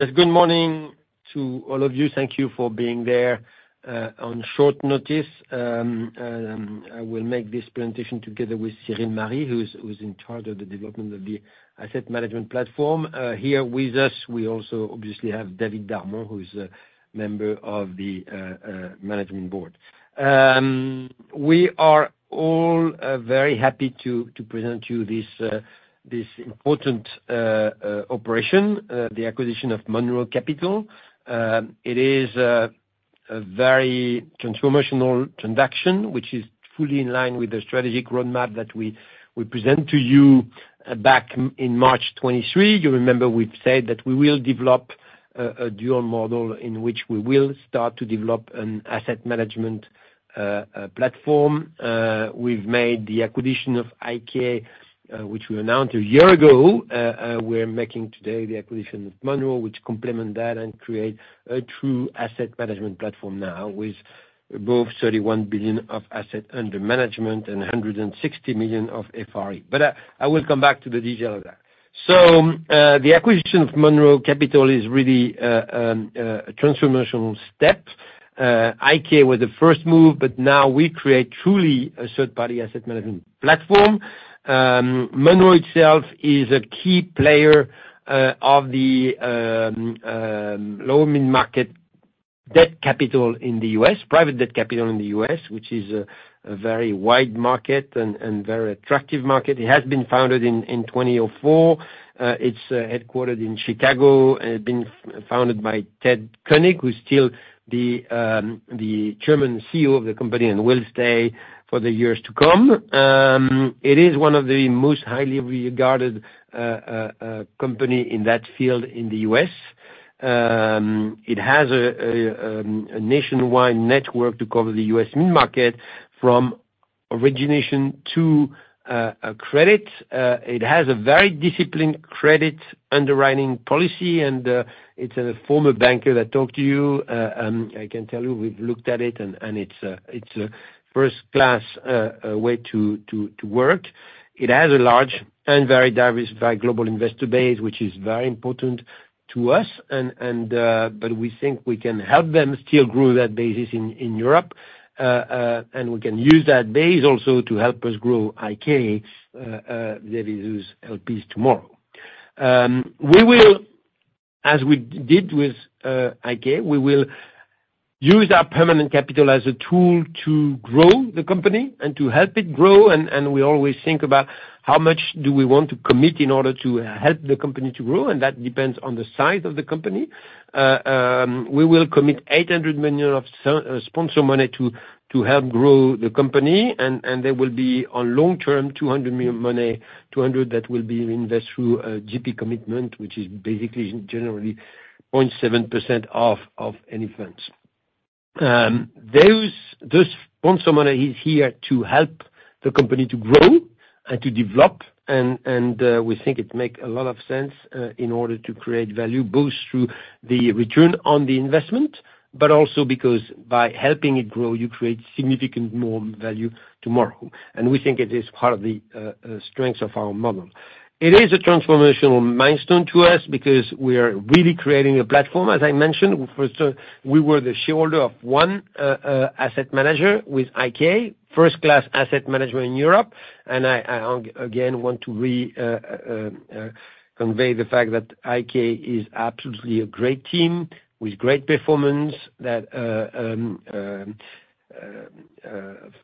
Good morning to all of you. Thank you for being there. On short notice, I will make this presentation together with Cyril Marie, who's in charge of the development of the asset management platform. Here with us, we also obviously have David Darmon, who's a member of the Management Board. We are all very happy to present to you this important operation, the acquisition of Monroe Capital. It is a very transformational transaction, which is fully in line with the strategic roadmap that we presented to you back in March 2023. You remember we've said that we will develop a dual model in which we will start to develop an asset management platform. We've made the acquisition of IK Partners, which we announced a year ago. We're making today the acquisition of Monroe Capital, which complements that and creates a true asset management platform now with above $31 billion of assets under management and $160 million of FRE, but I will come back to the detail of that, so the acquisition of Monroe Capital is really a transformational step. IK Partners was the first move, but now we create truly a third-party asset management platform. Monroe Capital itself is a key player of the low and mid-market debt capital in the US, private debt capital in the US, which is a very wide market and a very attractive market. It has been founded in 2004. It's headquartered in Chicago. It's been founded by Ted Koenig, who's still the Chairman and CEO of the company and will stay for the years to come. It is one of the most highly regarded companies in that field in the US. It has a nationwide network to cover the U.S. mid-market from origination to credit. It has a very disciplined credit underwriting policy, and it's a former banker that talked to you. I can tell you we've looked at it, and it's a first-class way to work. It has a large and very diverse, very global investor base, which is very important to us. But we think we can help them still grow that base in Europe, and we can use that base also to help us grow IK Partners LPs tomorrow. As we did with IK Partners, we will use our permanent capital as a tool to grow the company and to help it grow, and we always think about how much do we want to commit in order to help the company to grow, and that depends on the size of the company. We will commit 800 million of sponsor money to help grow the company, and there will be on long-term 200 million money that will be invested through GP commitment, which is basically generally 0.7% of any funds. Those sponsor money is here to help the company to grow and to develop, and we think it makes a lot of sense in order to create value, both through the return on the investment, but also because by helping it grow, you create significant more value tomorrow, and we think it is part of the strength of our model. It is a transformational milestone to us because we are really creating a platform. As I mentioned, we were the shareholder of one asset manager with IK Partners, first-class asset management in Europe. I, again, want to convey the fact that IK Partners is absolutely a great team with great performance, that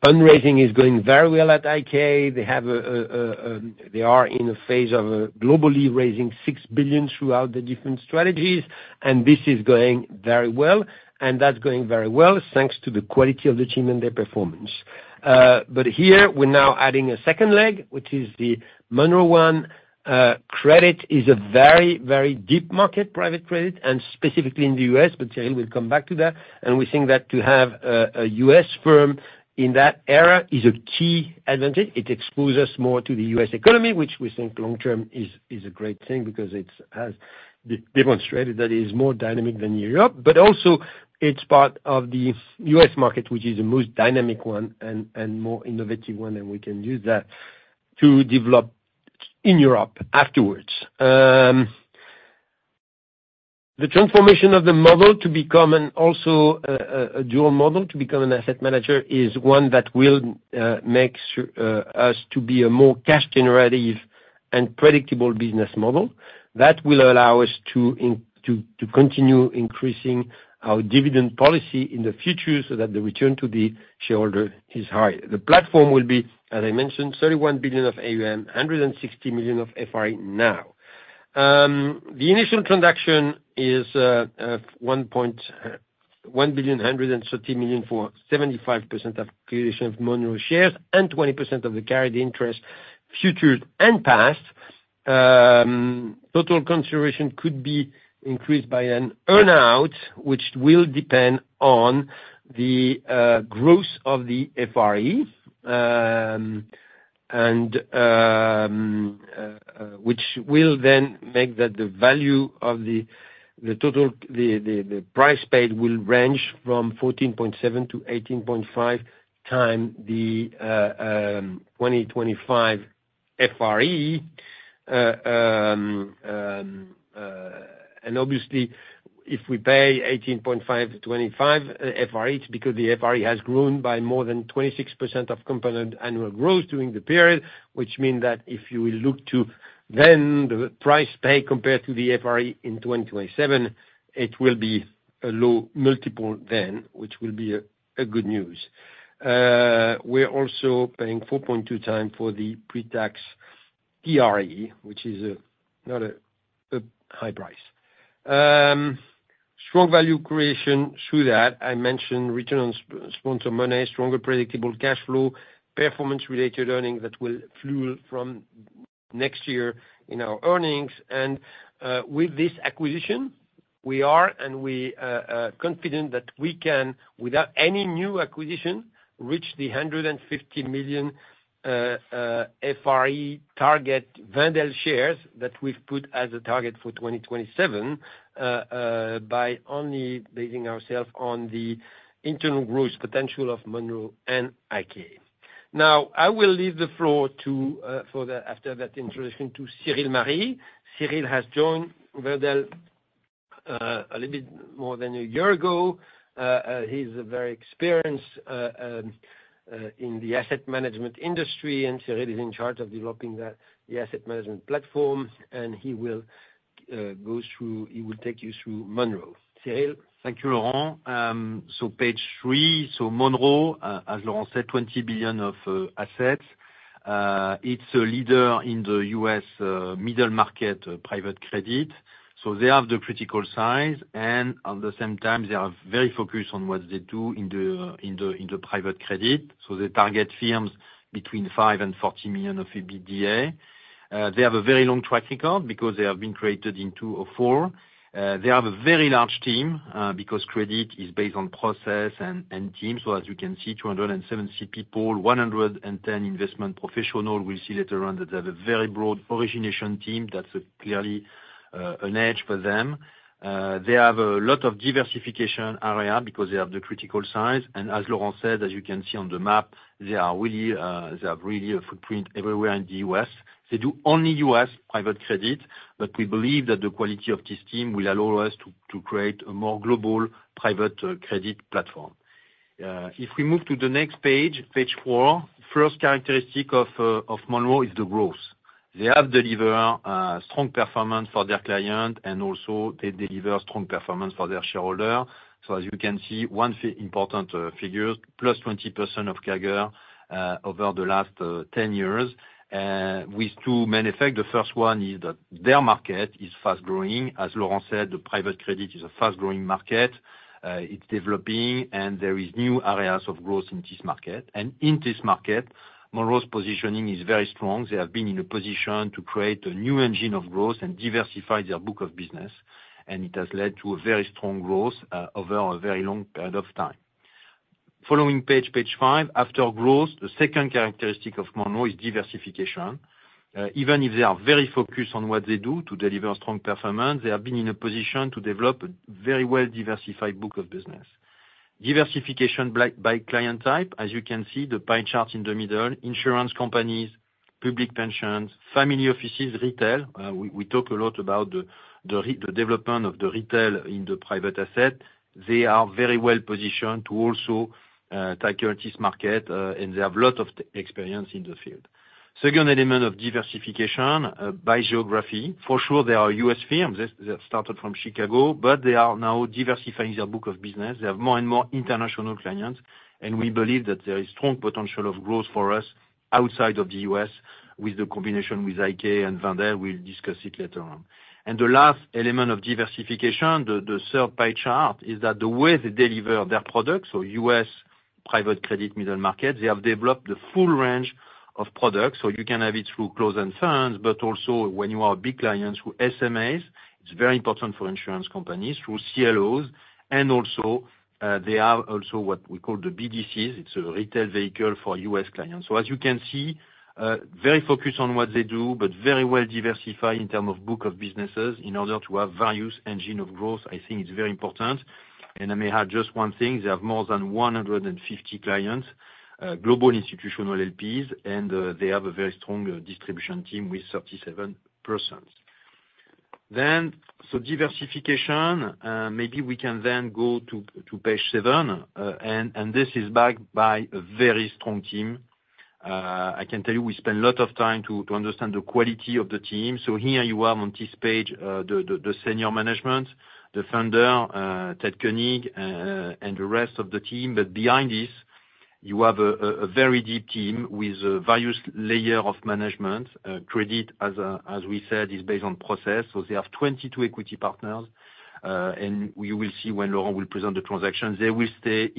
fundraising is going very well at IK Partners. They are in a phase of globally raising 6 billion throughout the different strategies, and this is going very well. That's going very well thanks to the quality of the team and their performance. But here, we're now adding a second leg, which is the Monroe Capital. Credit is a very, very deep market, private credit, and specifically in the U.S., but Cyril will come back to that. We think that to have a U.S. firm in that area is a key advantage. It exposes us more to the U.S. economy, which we think long-term is a great thing because it has demonstrated that it is more dynamic than Europe. But also, it's part of the US market, which is the most dynamic one and more innovative one, and we can use that to develop in Europe afterwards. The transformation of the model to become also a dual model to become an asset manager is one that will make us to be a more cash-generative and predictable business model that will allow us to continue increasing our dividend policy in the future so that the return to the shareholder is high. The platform will be, as I mentioned, $31 billion of AUM, $160 million of FRE now. The initial transaction is $1 billion 130 million for 75% of acquisition of Monroe shares and 20% of the carried interest, future and past. Total consideration could be increased by an earnout, which will depend on the growth of the FRE, which will then make that the value of the price paid will range from 14.7-18.5 times the 2025 FRE. Obviously, if we pay 18.5-25 FRE, it's because the FRE has grown by more than 26% compound annual growth during the period, which means that if you look to then the price paid compared to the FRE in 2027, it will be a low multiple then, which will be good news. We're also paying 4.2 times for the pre-tax PRE, which is not a high price. Strong value creation through that. I mentioned return on sponsor money, stronger predictable cash flow, performance-related earnings that will flow from next year in our earnings. With this acquisition, we are confident that we can, without any new acquisition, reach the €150 million FRE target that Wendel has put as a target for 2027 by only basing ourselves on the internal growth potential of Monroe Capital and IK Partners. Now, I will leave the floor after that introduction to Cyril Marie. Cyril has joined Wendel a little bit more than a year ago. He is very experienced in the asset management industry, and Cyril is in charge of developing the asset management platform, and he will go through, he will take you through Monroe Capital. Cyril. Thank you, Laurent. So, page three: so, Monroe, as Laurent said, $20 billion of assets. It's a leader in the U.S. middle market private credit. So, they have the critical size, and at the same time, they are very focused on what they do in the private credit. So, they target firms between five and 40 million of EBITDA. They have a very long track record because they have been created in 2004. They have a very large team because credit is based on process and team. So, as you can see, 270 people, 110 investment professionals. We'll see later on that they have a very broad origination team. That's clearly an edge for them. They have a lot of diversification area because they have the critical size. And as Laurent said, as you can see on the map, they have really a footprint everywhere in the U.S. They do only U.S. private credit, but we believe that the quality of this team will allow us to create a more global private credit platform. If we move to the next page, page 4, first characteristic of Monroe is the growth. They have delivered strong performance for their clients, and also they deliver strong performance for their shareholders. So as you can see, one important figure, plus 20% carry over the last 10 years, with two main effects. The first one is that their market is fast-growing. As Laurent said, the private credit is a fast-growing market. It's developing, and there are new areas of growth in this market. In this market, Monroe's positioning is very strong. They have been in a position to create a new engine of growth and diversify their book of business, and it has led to a very strong growth over a very long period of time. Following page, page five, after growth, the second characteristic of Monroe is diversification. Even if they are very focused on what they do to deliver strong performance, they have been in a position to develop a very well-diversified book of business. Diversification by client type, as you can see the pie chart in the middle, insurance companies, public pensions, family offices, retail. We talk a lot about the development of the retail in the private asset. They are very well-positioned to also tackle this market, and they have a lot of experience in the field. Second element of diversification by geography. For sure, there are U.S. firms that started from Chicago, but they are now diversifying their book of business. They have more and more international clients, and we believe that there is strong potential of growth for us outside of the U.S. with the combination with IK Partners and Wendel. We'll discuss it later on. And the last element of diversification, the third pie chart, is that the way they deliver their products, so U.S. private credit middle markets, they have developed the full range of products. So you can have it through closed-end funds, but also when you are big clients through SMAs, it's very important for insurance companies through CLOs. And also, they have also what we call the BDCs. It's a retail vehicle for U.S. clients. So as you can see, very focused on what they do, but very well-diversified in terms of book of businesses in order to have value engine of growth. I think it's very important. And I may add just one thing. They have more than 150 clients, global institutional LPs, and they have a very strong distribution team with 37%. Then, so diversification, maybe we can then go to page seven, and this is backed by a very strong team. I can tell you we spend a lot of time to understand the quality of the team. So here you have on this page the senior management, the founder, Ted Koenig, and the rest of the team. But behind this, you have a very deep team with various layers of management. Credit, as we said, is based on process. So they have 22 equity partners, and you will see when Laurent will present the transactions. They will stay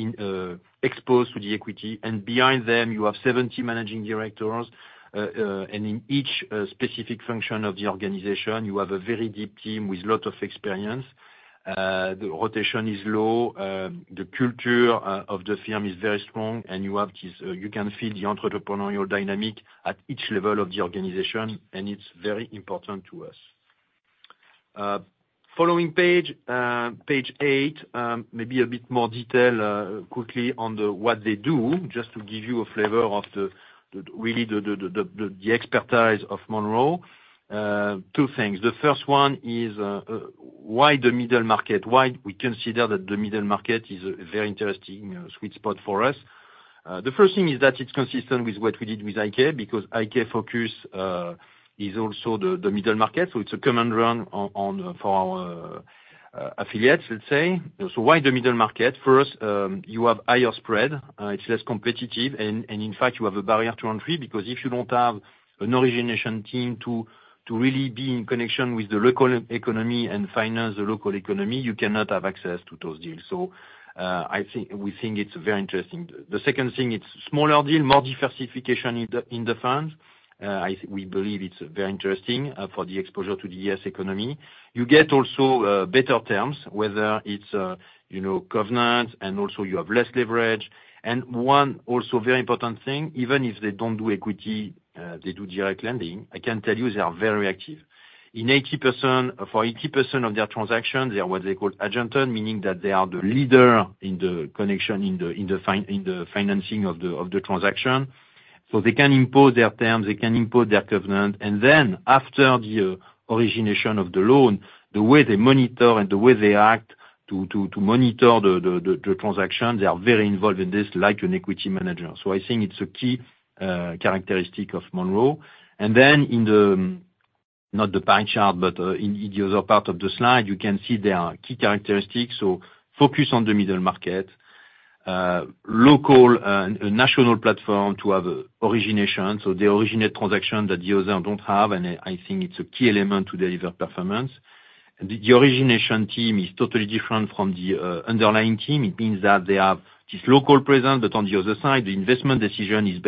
exposed to the equity. And behind them, you have 70 managing directors, and in each specific function of the organization, you have a very deep team with a lot of experience. The rotation is low. The culture of the firm is very strong, and you can feel the entrepreneurial dynamic at each level of the organization, and it's very important to us. Following page, page eight, maybe a bit more detail quickly on what they do, just to give you a flavor of really the expertise of Monroe. Two things. The first one is why the middle market, why we consider that the middle market is a very interesting sweet spot for us. The first thing is that it's consistent with what we did with IK Partners because IK Partners focus is also the middle market. So it's a common run for our affiliates, let's say. So why the middle market? First, you have higher spread. It's less competitive, and in fact, you have a barrier to entry because if you don't have an origination team to really be in connection with the local economy and finance the local economy, you cannot have access to those deals. So we think it's very interesting. The second thing, it's a smaller deal, more diversification in the funds. We believe it's very interesting for the exposure to the U.S. economy. You get also better terms, whether it's covenants, and also you have less leverage. And one also very important thing, even if they don't do equity, they do direct lending. I can tell you they are very active. For 80% of their transactions, they are what they call agents, meaning that they are the leader in the connection in the financing of the transaction. So they can impose their terms. They can impose their covenant. And then after the origination of the loan, the way they monitor and the way they act to monitor the transaction, they are very involved in this like an equity manager. So I think it's a key characteristic of Monroe. And then in the not the pie chart, but in the other part of the slide, you can see their key characteristics. So focus on the middle market, local and national platform to have origination. So they originate transactions that the others don't have, and I think it's a key element to deliver performance. The origination team is totally different from the underwriting team. It means that they have this local presence, but on the other side, the investment decision is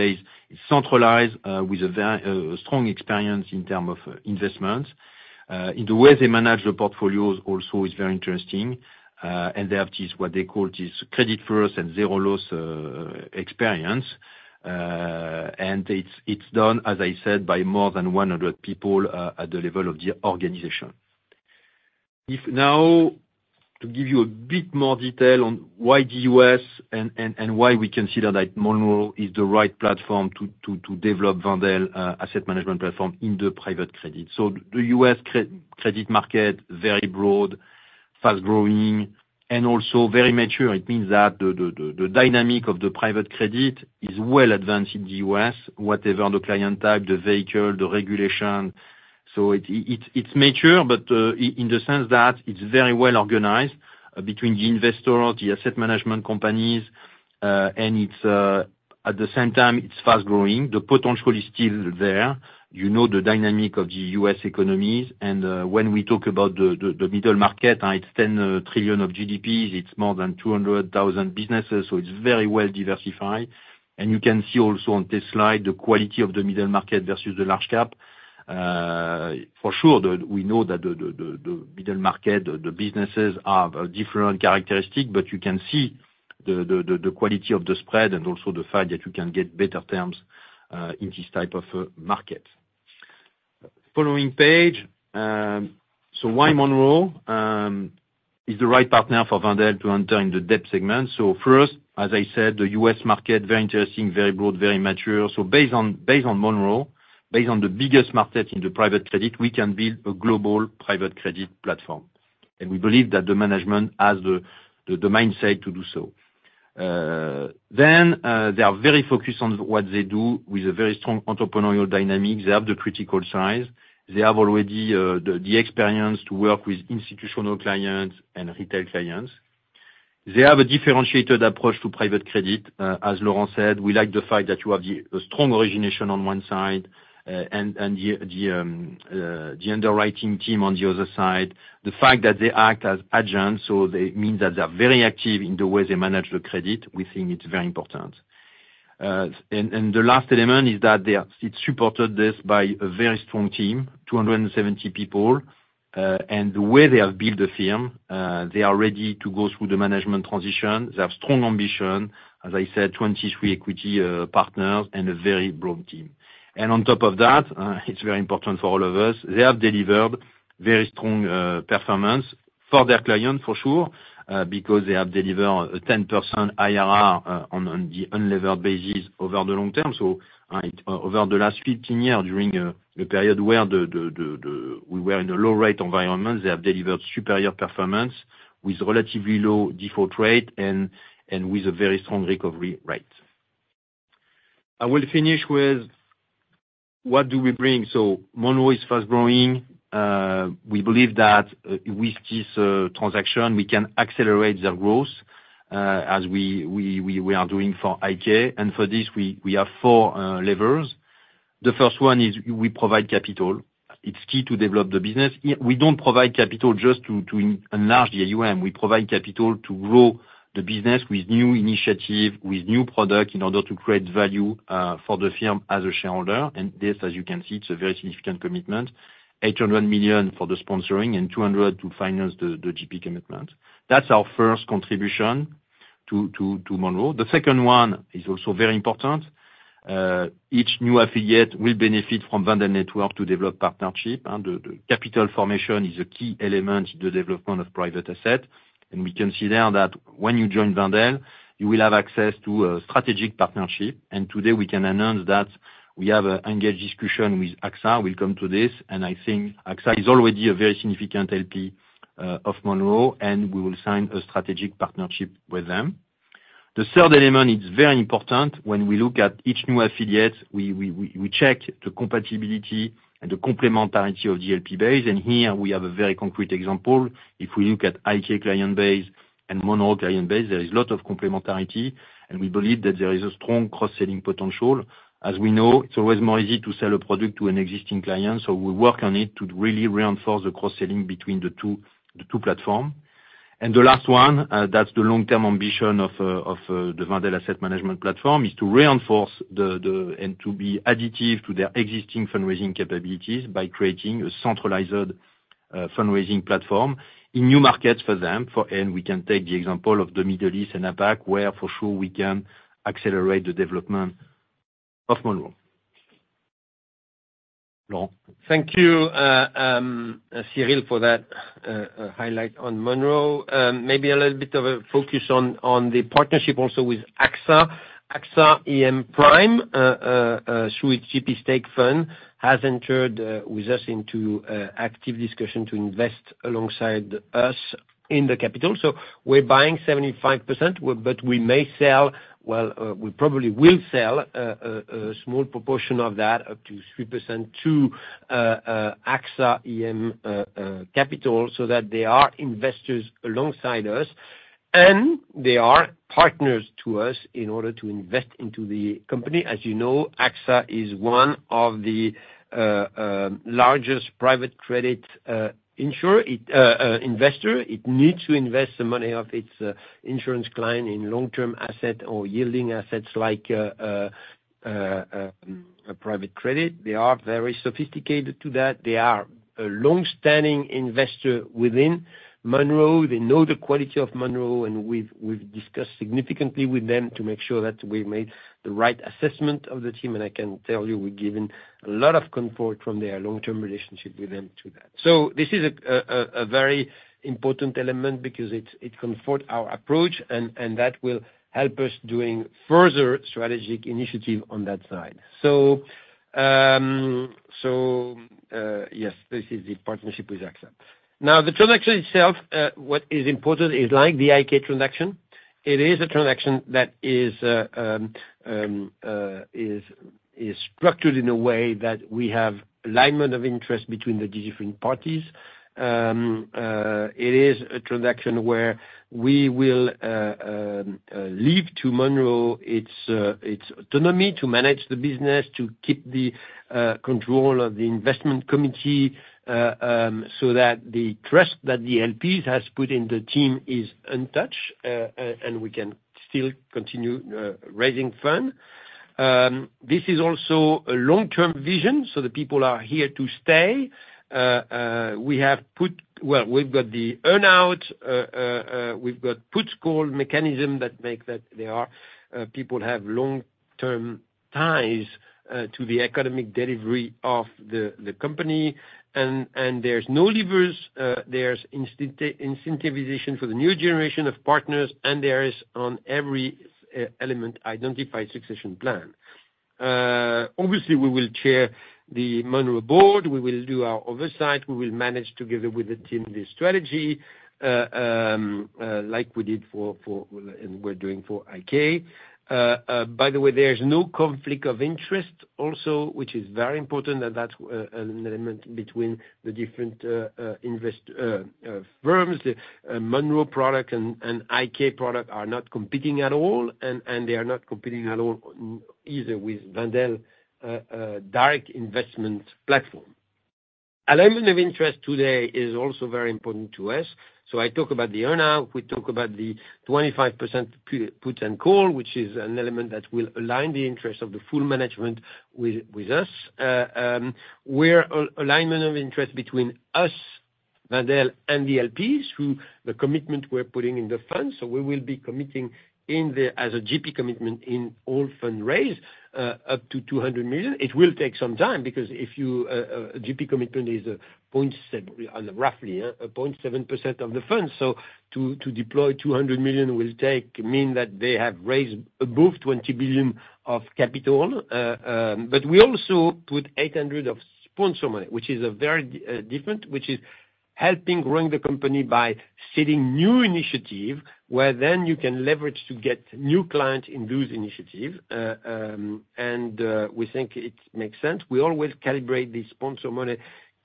centralized with a strong experience in terms of investments. In the way they manage the portfolios also is very interesting, and they have what they call this credit first and zero loss experience. And it's done, as I said, by more than 100 people at the level of the organization. Now, to give you a bit more detail on why the U.S. and why we consider that Monroe is the right platform to develop Wendel Asset Management Platform in the private credit. So the U.S. credit market, very broad, fast-growing, and also very mature. It means that the dynamic of the private credit is well advanced in the U.S., whatever the client type, the vehicle, the regulation. So it's mature, but in the sense that it's very well organized between the investors, the asset management companies, and at the same time, it's fast-growing. The potential is still there. You know the dynamic of the U.S. economies, and when we talk about the middle market, it's 10 trillion of GDP. It's more than 200,000 businesses, so it's very well diversified. And you can see also on this slide the quality of the middle market versus the large cap. For sure, we know that the middle market, the businesses have different characteristics, but you can see the quality of the spread and also the fact that you can get better terms in this type of market. Following page, so why Monroe is the right partner for Wendel to enter in the debt segment? So first, as I said, the U.S. market, very interesting, very broad, very mature. So based on Monroe, based on the biggest market in the private credit, we can build a global private credit platform. And we believe that the management has the mindset to do so. Then they are very focused on what they do with a very strong entrepreneurial dynamic. They have the critical size. They have already the experience to work with institutional clients and retail clients. They have a differentiated approach to private credit. As Laurent said, we like the fact that you have a strong origination on one side and the underwriting team on the other side. The fact that they act as agents, so it means that they are very active in the way they manage the credit. We think it's very important. And the last element is that it's supported by this very strong team, 270 people. And the way they have built the firm, they are ready to go through the management transition. They have strong ambition, as I said, 23 equity partners and a very broad team. And on top of that, it's very important for all of us. They have delivered very strong performance for their clients, for sure, because they have delivered a 10% IRR on the unlevered basis over the long term. So over the last 15 years, during the period where we were in a low-rate environment, they have delivered superior performance with relatively low default rate and with a very strong recovery rate. I will finish with what do we bring. So Monroe is fast-growing. We believe that with this transaction, we can accelerate their growth as we are doing for IK Partners. And for this, we have four levers. The first one is we provide capital. It's key to develop the business. We don't provide capital just to enlarge the business. We provide capital to grow the business with new initiatives, with new products in order to create value for the firm as a shareholder. And this, as you can see, it's a very significant commitment, 800 million for the sponsoring and 200 million to finance the GP commitment. That's our first contribution to Monroe. The second one is also very important. Each new affiliate will benefit from Wendel Network to develop partnership. The capital formation is a key element in the development of private asset. And we consider that when you join Wendel, you will have access to a strategic partnership. And today, we can announce that we have an engaged discussion with AXA. We'll come to this. I think AXA is already a very significant LP of Monroe, and we will sign a strategic partnership with them. The third element, it's very important when we look at each new affiliate, we check the compatibility and the complementarity of the LP base. Here, we have a very concrete example. If we look at IK Partners client base and Monroe client base, there is a lot of complementarity. We believe that there is a strong cross-selling potential. As we know, it's always more easy to sell a product to an existing client. We work on it to really reinforce the cross-selling between the two platforms. The last one, that's the long-term ambition of the Wendel Asset Management Platform, is to reinforce and to be additive to their existing fundraising capabilities by creating a centralized fundraising platform in new markets for them. And we can take the example of the Middle East and APAC, where for sure we can accelerate the development of Monroe. Laurent? Thank you, Cyril, for that highlight on Monroe. Maybe a little bit of a focus on the partnership also with AXA. AXA IM Prime, through its GP stake fund, has entered with us into active discussion to invest alongside us in the capital. So we're buying 75%, but we may sell, well, we probably will sell a small proportion of that up to 3% to AXA IM Capital so that they are investors alongside us, and they are partners to us in order to invest into the company. As you know, AXA is one of the largest private credit investors. It needs to invest the money of its insurance client in long-term assets or yielding assets like private credit. They are very sophisticated to that. They are a long-standing investor within Monroe. They know the quality of Monroe, and we've discussed significantly with them to make sure that we've made the right assessment of the team. And I can tell you we've given a lot of comfort from their long-term relationship with them to that. So this is a very important element because it comforts our approach, and that will help us doing further strategic initiatives on that side. So yes, this is the partnership with AXA. Now, the transaction itself, what is important is like the IK Partners transaction. It is a transaction that is structured in a way that we have alignment of interest between the different parties. It is a transaction where we will leave to Monroe its autonomy to manage the business, to keep the control of the Investment Committee so that the trust that the LPs have put in the team is untouched, and we can still continue raising funds. This is also a long-term vision, so the people are here to stay. We have put, well, we've got the earnouts. We've got put-call mechanisms that make that there are people have long-term ties to the economic delivery of the company. And there's no leavers. There's incentivization for the new generation of partners, and there is on every element identified succession plan. Obviously, we will chair the Monroe Board. We will do our oversight. We will manage together with the team this strategy like we did for and we're doing for IK Partners. By the way, there's no conflict of interest also, which is very important that that's an element between the different firms. The Monroe product and IK Partners product are not competing at all, and they are not competing at all either with Wendel direct investment platform. Alignment of interest today is also very important to us. So I talk about the earnouts. We talk about the 25% puts and calls, which is an element that will align the interest of the full management with us. We're alignment of interest between us, Wendel, and the LPs through the commitment we're putting in the funds. So we will be committing as a GP commitment in all fundraise up to 200 million. It will take some time because if the GP commitment is 0.7% of the funds. So to deploy 200 million will mean that they have raised above 20 billion of capital. But we also put 800 of sponsor money, which is very different, which is helping run the company by setting new initiatives where then you can leverage to get new clients in those initiatives. And we think it makes sense. We always calibrate the sponsor money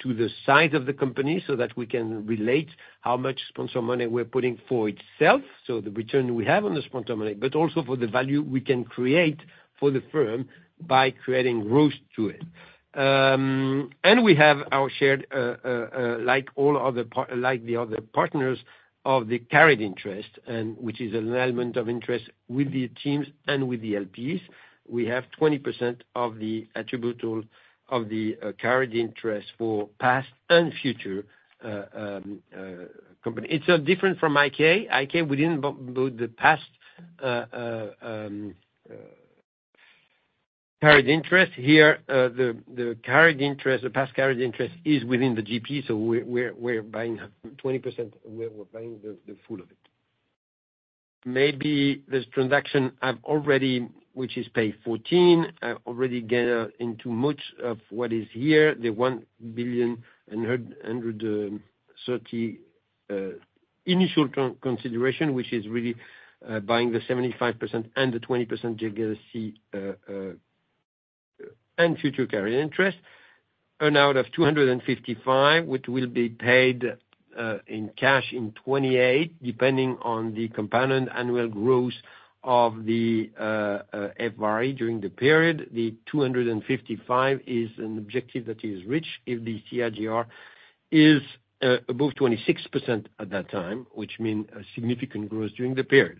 to the size of the company so that we can relate how much sponsor money we're putting for itself. So the return we have on the sponsor money, but also for the value we can create for the firm by creating growth to it. And we have our shared, like all other partners, of the carried interest, which is an element of interest with the teams and with the LPs. We have 20% of the attributable of the carried interest for past and future company. It's different from IK. IK, we didn't bump the past carried interest. Here, the past carried interest is within the GP. So we're buying 20%. We're buying the full of it. Maybe this transaction, which is page 14, I've already covered much of what is here, the 1.130 billion initial consideration, which is really buying the 75% and the 20% legacy and future carried interest. Earnout of 255, which will be paid in cash in 2028, depending on the compound annual growth of the FRE during the period. The 255 is an objective that is reached if the CAGR is above 26% at that time, which means a significant growth during the period.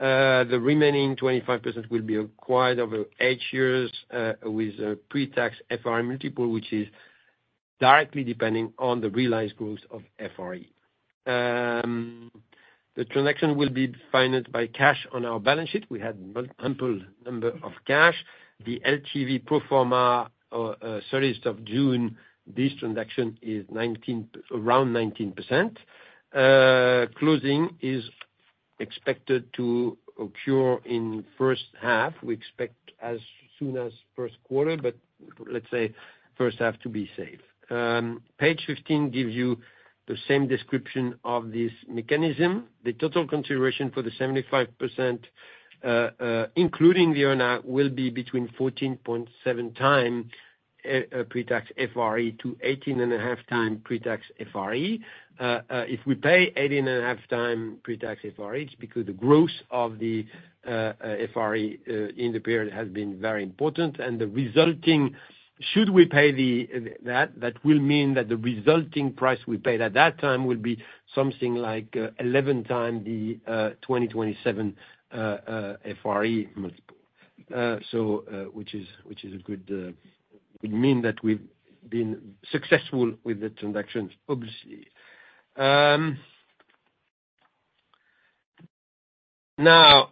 The remaining 25% will be acquired over eight years with a pre-tax FRE multiple, which is directly depending on the realized growth of FRE. The transaction will be financed by cash on our balance sheet. We have multiple sources of cash. The LTV pro forma as of June, this transaction is around 19%. Closing is expected to occur in first half. We expect as soon as first quarter, but let's say first half to be safe. Page 15 gives you the same description of this mechanism. The total consideration for the 75%, including the earnout, will be between 14.7-18.5 times pre-tax FRE. If we pay 18.5 times pre-tax FRE, it's because the growth of the FRE in the period has been very important. And the resulting, should we pay that, that will mean that the resulting price we paid at that time will be something like 11 times the 2027 FRE multiple, which is a good sign that we've been successful with the transactions, obviously. Now,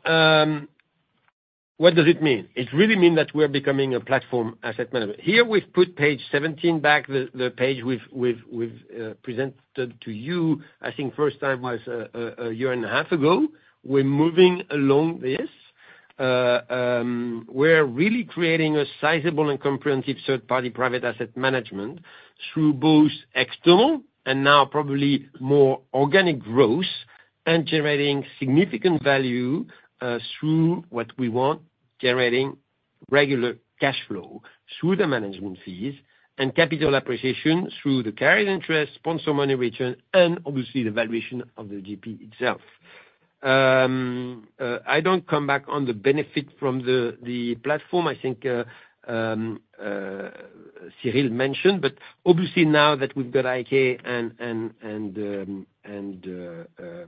what does it mean? It really means that we're becoming a platform in asset management. Here, we've put page 17 back, the page we've presented to you. I think first time was a year and a half ago. We're moving along this. We're really creating a sizable and comprehensive third-party private asset management through both external and now probably more organic growth and generating significant value through what we want, generating regular cash flow through the management fees and capital appreciation through the carried interest, sponsor money return, and obviously the valuation of the GP itself. I don't come back on the benefit from the platform. I think Cyril mentioned, but obviously now that we've got IK Partners and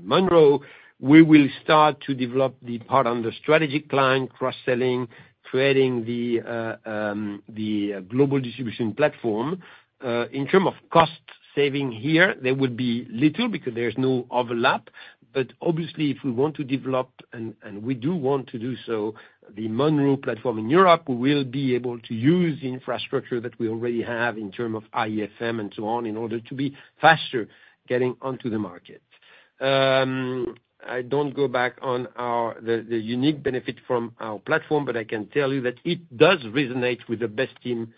Monroe Capital, we will start to develop the part on the strategic client cross-selling, creating the global distribution platform. In terms of cost saving here, there would be little because there's no overlap. But obviously, if we want to develop, and we do want to do so, the Monroe platform in Europe, we will be able to use the infrastructure that we already have in terms of AIFM and so on in order to be faster getting onto the market. I don't go back on the unique benefit from our platform, but I can tell you that it does resonate with the best team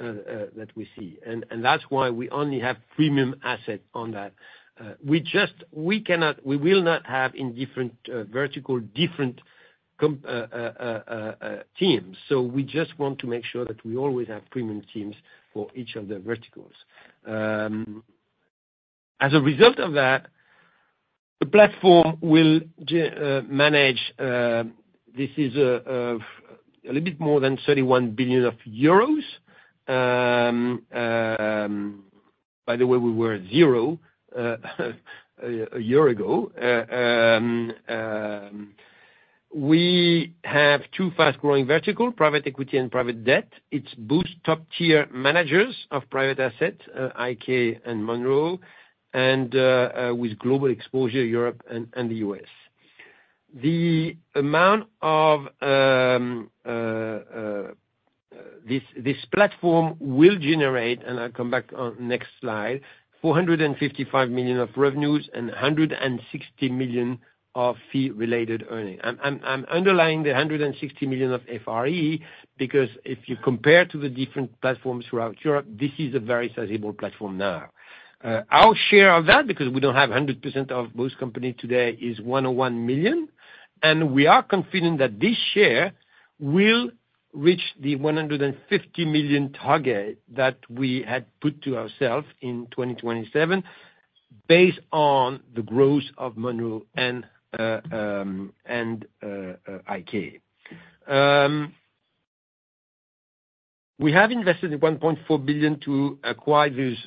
that we see. That's why we only have premium asset on that. We will not have in different vertical different teams. We just want to make sure that we always have premium teams for each of the verticals. As a result of that, the platform will manage this is a little bit more than 31 billion euros. By the way, we were zero a year ago. We have two fast-growing verticals, private equity and private debt. It boosts top-tier managers of private assets, IK Partners and Monroe, and with global exposure, Europe and the US. The amount of this platform will generate, and I'll come back on next slide, 455 million of revenues and 160 million of fee-related earnings. I'm underlining the 160 million of FRE because if you compare to the different platforms throughout Europe, this is a very sizable platform now. Our share of that, because we don't have 100% of most companies today, is 101 million. We are confident that this share will reach the 150 million target that we had put to ourselves in 2027 based on the growth of Monroe and IK Partners. We have invested 1.4 billion to acquire these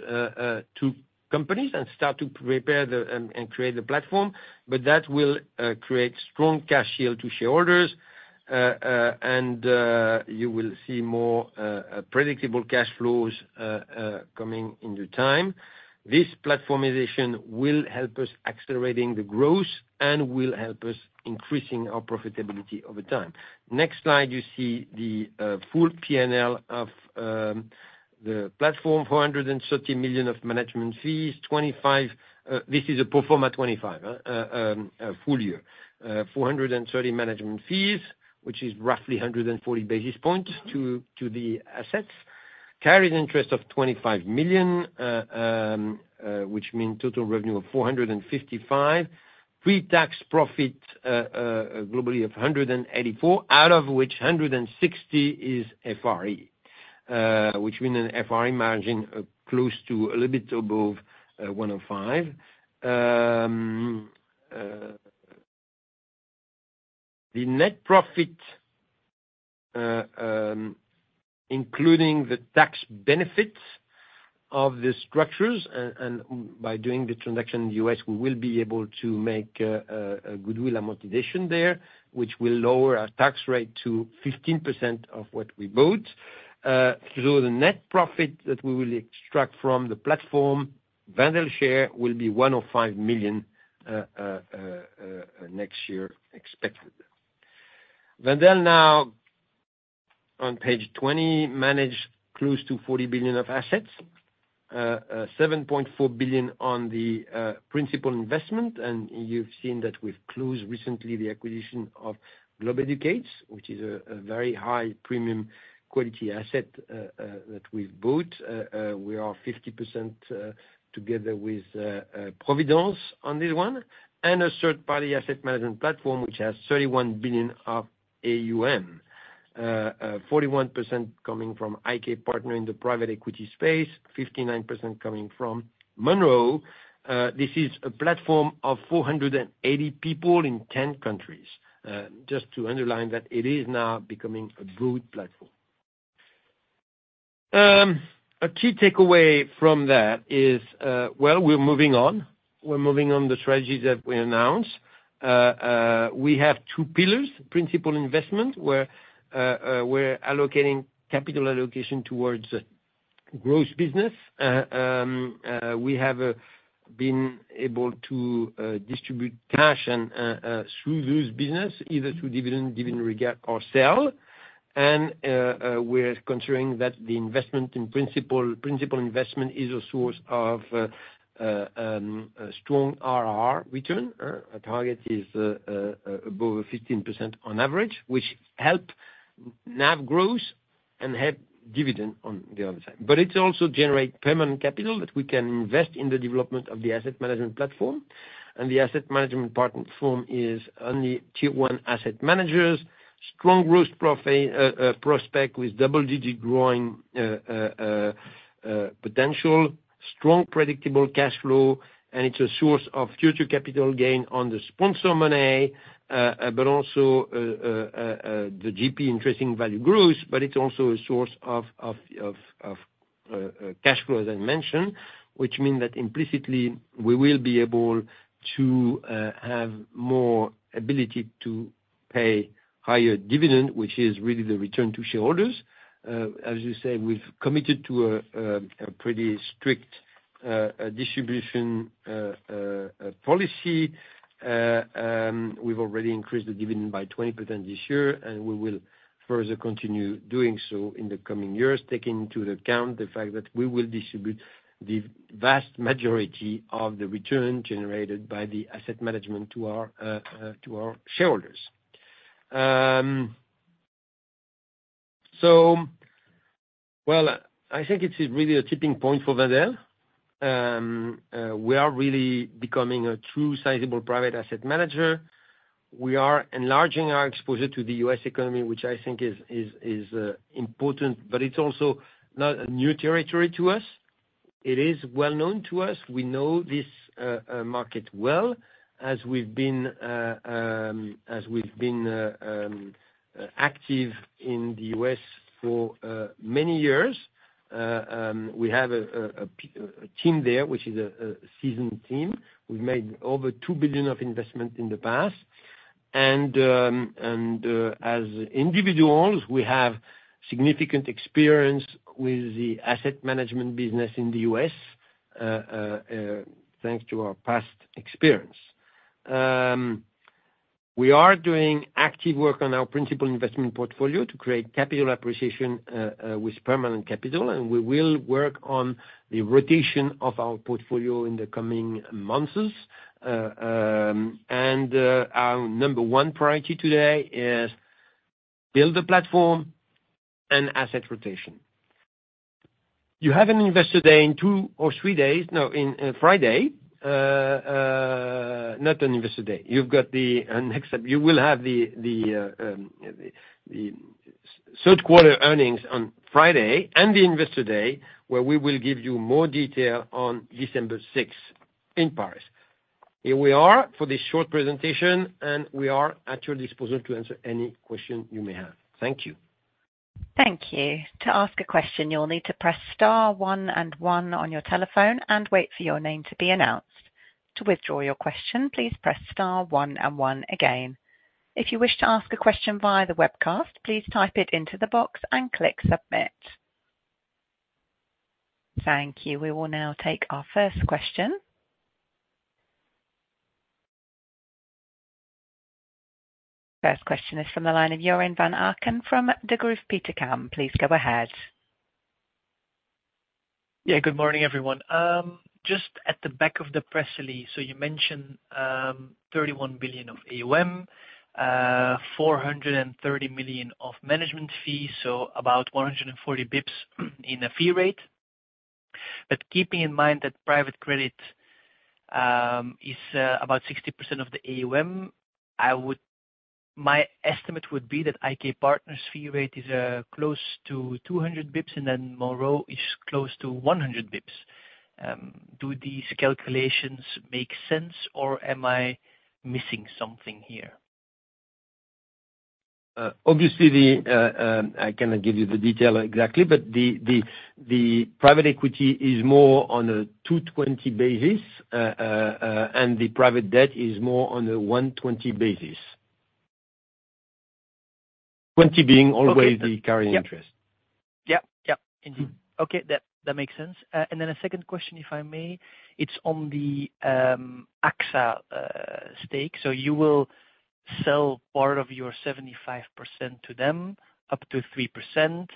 two companies and start to prepare and create the platform, but that will create strong cash yield to shareholders, and you will see more predictable cash flows coming over time. This platformization will help us accelerate the growth and will help us increase our profitability over time. Next slide, you see the full P&L of the platform, $430 million of management fees. This is a pro forma 25 full year, $430 million management fees, which is roughly 140 basis points to the assets, carried interest of $25 million, which means total revenue of $455 million, pre-tax profit globally of $184 million, out of which $160 million is FRE, which means an FRE margin close to a little bit above 105%. The net profit, including the tax benefits of the structures, and by doing the transaction in the U.S., we will be able to make a goodwill amortization there, which will lower our tax rate to 15% of what we bought. So the net profit that we will extract from the platform, Wendel's share will be $105 million next year expected. Wendel now, on page 20, manages close to €40 billion of assets, €7.4 billion on the principal investment. And you've seen that we've closed recently the acquisition of Globe Educate, which is a very high premium quality asset that we've bought. We are 50% together with Providence on this one, and a third-party asset management platform, which has €31 billion of AUM, 41% coming from IK Partners in the private equity space, 59% coming from Monroe. This is a platform of 480 people in 10 countries. Just to underline that it is now becoming a good platform. A key takeaway from that is, well, we're moving on. We're moving on the strategies that we announced. We have two pillars, principal investment, where we're allocating capital allocation towards growth business. We have been able to distribute cash through those businesses, either through dividend, dividend recap, or sale. We're considering that the investment in principal investment is a source of strong IRR return. Our target is above 15% on average, which helps NAV growth and helps dividend on the other side. But it's also generating permanent capital that we can invest in the development of the asset management platform. The asset management platform is only tier one asset managers, strong growth prospect with double-digit growing potential, strong predictable cash flow, and it's a source of future capital gain on the sponsor money, but also the GP interest in value growth. But it's also a source of cash flow, as I mentioned, which means that implicitly we will be able to have more ability to pay higher dividend, which is really the return to shareholders. As you say, we've committed to a pretty strict distribution policy. We've already increased the dividend by 20% this year, and we will further continue doing so in the coming years, taking into account the fact that we will distribute the vast majority of the return generated by the asset management to our shareholders. So, well, I think it's really a tipping point for Wendel. We are really becoming a true sizable private asset manager. We are enlarging our exposure to the U.S. economy, which I think is important, but it's also not a new territory to us. It is well known to us. We know this market well. As we've been active in the U.S. for many years, we have a team there, which is a seasoned team. We've made over 2 billion of investment in the past. And as individuals, we have significant experience with the asset management business in the U.S., thanks to our past experience. We are doing active work on our principal investment portfolio to create capital appreciation with permanent capital, and we will work on the rotation of our portfolio in the coming months. Our number one priority today is to build the platform and asset rotation. You have an Investor Day in two or three days, no, on Friday, not an Investor Day. You will have the third quarter earnings on Friday and the Investor Day, where we will give you more detail on December 6th in Paris. Here we are for this short presentation, and we are at your disposal to answer any question you may have. Thank you. Thank you. To ask a question, you'll need to press star one and one on your telephone and wait for your name to be announced. To withdraw your question, please press star one and one again. If you wish to ask a question via the webcast, please type it into the box and click submit. Thank you. We will now take our first question. First question is from the line of Joren Van Aken from Degroof Petercam. Please go ahead. Yeah, good morning, everyone. Just at the back of the press release, so you mentioned 31 billion of AUM, 430 million of management fees, so about 140 basis points in a fee rate. But keeping in mind that private credit is about 60% of the AUM, my estimate would be that IK Partners' fee rate is close to 200 basis points, and then Monroe is close to 100 basis points. Do these calculations make sense, or am I missing something here? Obviously, I cannot give you the detail exactly, but the private equity is more on a 220 basis, and the private debt is more on a 120 basis, 20 being always the carried interest. Yep. Yep. Indeed. Okay. That makes sense. And then a second question, if I may. It's on the AXA stake. So you will sell part of your 75% to them up to 3%,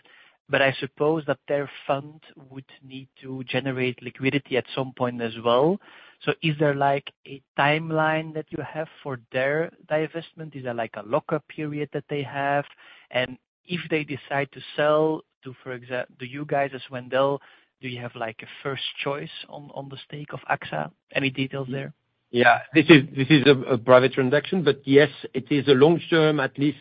but I suppose that their fund would need to generate liquidity at some point as well. So is there a timeline that you have for their divestment? Is there a lockup period that they have? And if they decide to sell to, for example, do you guys, as Wendel, do you have a first choice on the stake of AXA? Any details there? Yeah. This is a private transaction, but yes, it is a long-term, at least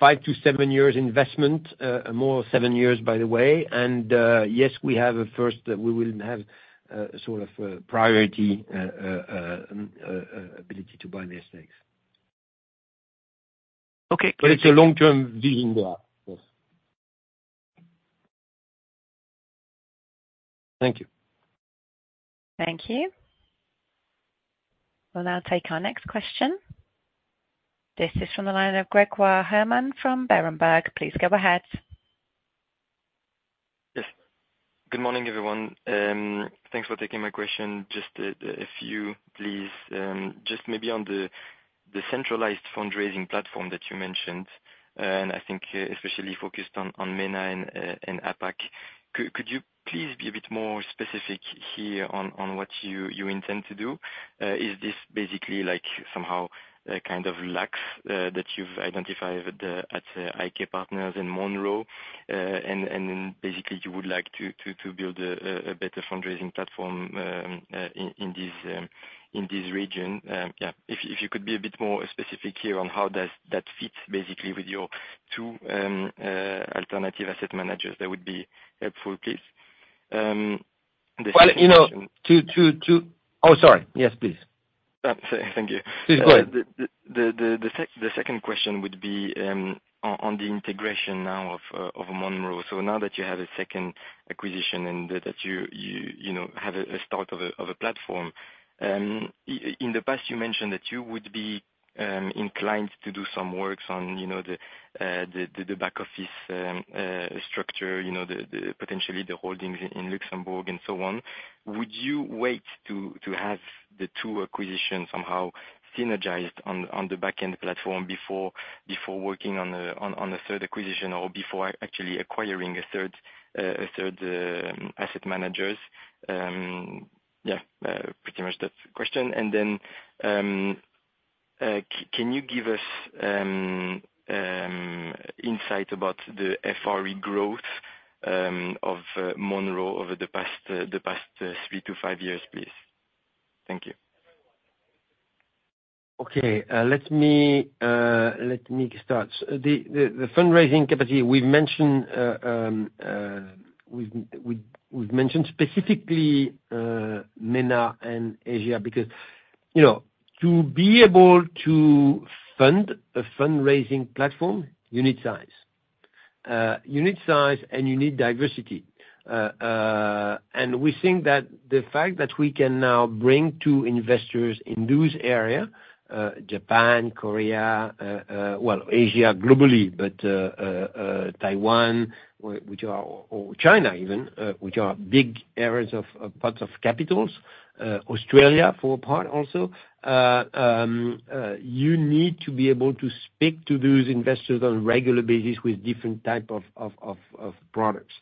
five to seven years investment, more seven years, by the way. And yes, we have a first that we will have sort of priority ability to buy the estates. But it's a long-term vision there. Thank you. Thank you. We'll now take our next question. This is from the line of Grégoire Hermann from Berenberg. Please go ahead. Yes. Good morning, everyone. Thanks for taking my question. Just a few, please. Just maybe on the centralized fundraising platform that you mentioned, and I think especially focused on MENA and APAC, could you please be a bit more specific here on what you intend to do? Is this basically somehow kind of lack that you've identified at IK Partners and Monroe, and then basically you would like to build a better fundraising platform in this region? Yeah. If you could be a bit more specific here on how does that fit basically with your two alternative asset managers, that would be helpful, please. The second question would be on the integration now of Monroe. So now that you have a second acquisition and that you have a start of a platform, in the past, you mentioned that you would be inclined to do some works on the back office structure, potentially the holdings in Luxembourg and so on. Would you wait to have the two acquisitions somehow synergized on the back-end platform before working on a third acquisition or before actually acquiring a third asset managers? Yeah, pretty much that question. And then can you give us insight about the FRE growth of Monroe over the past three to five years, please? Thank you. Okay. Let me start. The fundraising capacity, we've mentioned specifically MENA and Asia because to be able to fund a fundraising platform, you need size. You need size and you need diversity, and we think that the fact that we can now bring two investors in those areas, Japan, Korea, well, Asia globally, but Taiwan, or China even, which are big areas of parts of capitals, Australia, for a part also, you need to be able to speak to those investors on a regular basis with different types of products,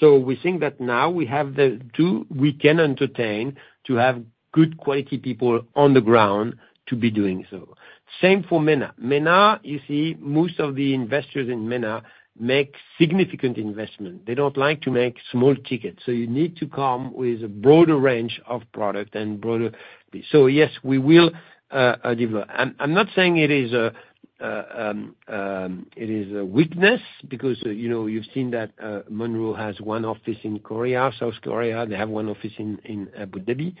so we think that now we have the two we can entertain to have good quality people on the ground to be doing so. Same for MENA. MENA, you see, most of the investors in MENA make significant investment. They don't like to make small tickets. So you need to come with a broader range of product and broader, so yes, we will develop. I'm not saying it is a weakness because you've seen that Monroe has one office in Korea, South Korea. They have one office in Abu Dhabi.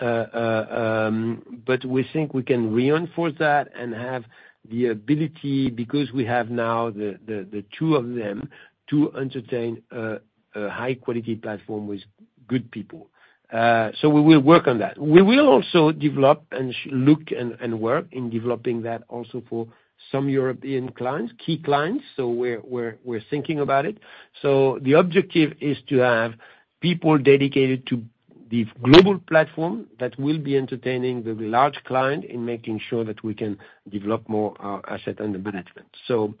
But we think we can reinforce that and have the ability, because we have now the two of them, to entertain a high-quality platform with good people. So we will work on that. We will also develop and look and work in developing that also for some European clients, key clients. So we're thinking about it. So the objective is to have people dedicated to the global platform that will be entertaining the large client in making sure that we can develop more assets under management. So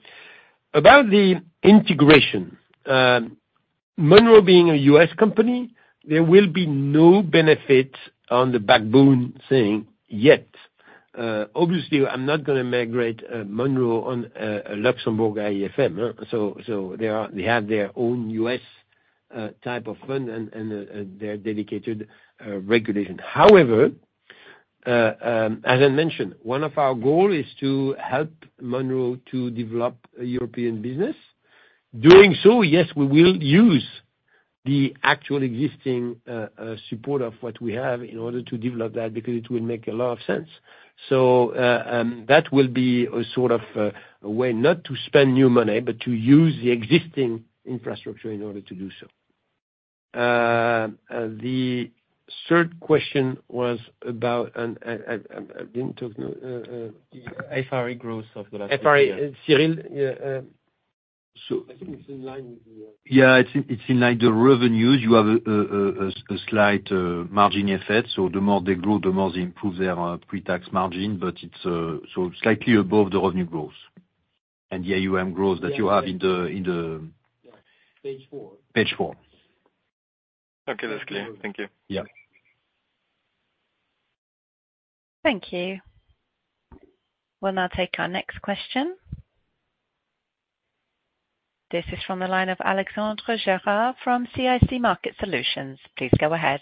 about the integration, Monroe being a U.S. company, there will be no benefit on the back office synergy yet. Obviously, I'm not going to migrate Monroe on a Luxembourg AIFM. So they have their own US type of fund and their dedicated regulation. However, as I mentioned, one of our goals is to help Monroe to develop a European business. Doing so, yes, we will use the actual existing support of what we have in order to develop that because it will make a lot of sense. So that will be a sort of way not to spend new money, but to use the existing infrastructure in order to do so. The third question was about—I didn't talk—the FRE growth of the last question. FRE, Cyril. So I think it's in line with the—yeah, it's in line with the revenues. You have a slight margin effect. So the more they grow, the more they improve their pre-tax margin, but it's so slightly above the revenue growth and the AUM growth that you have in the page four. Page four. Okay. That's clear. Thank you. Yeah. Thank you. We'll now take our next question. This is from the line of Alexandre Gérard from CIC Market Solutions. Please go ahead.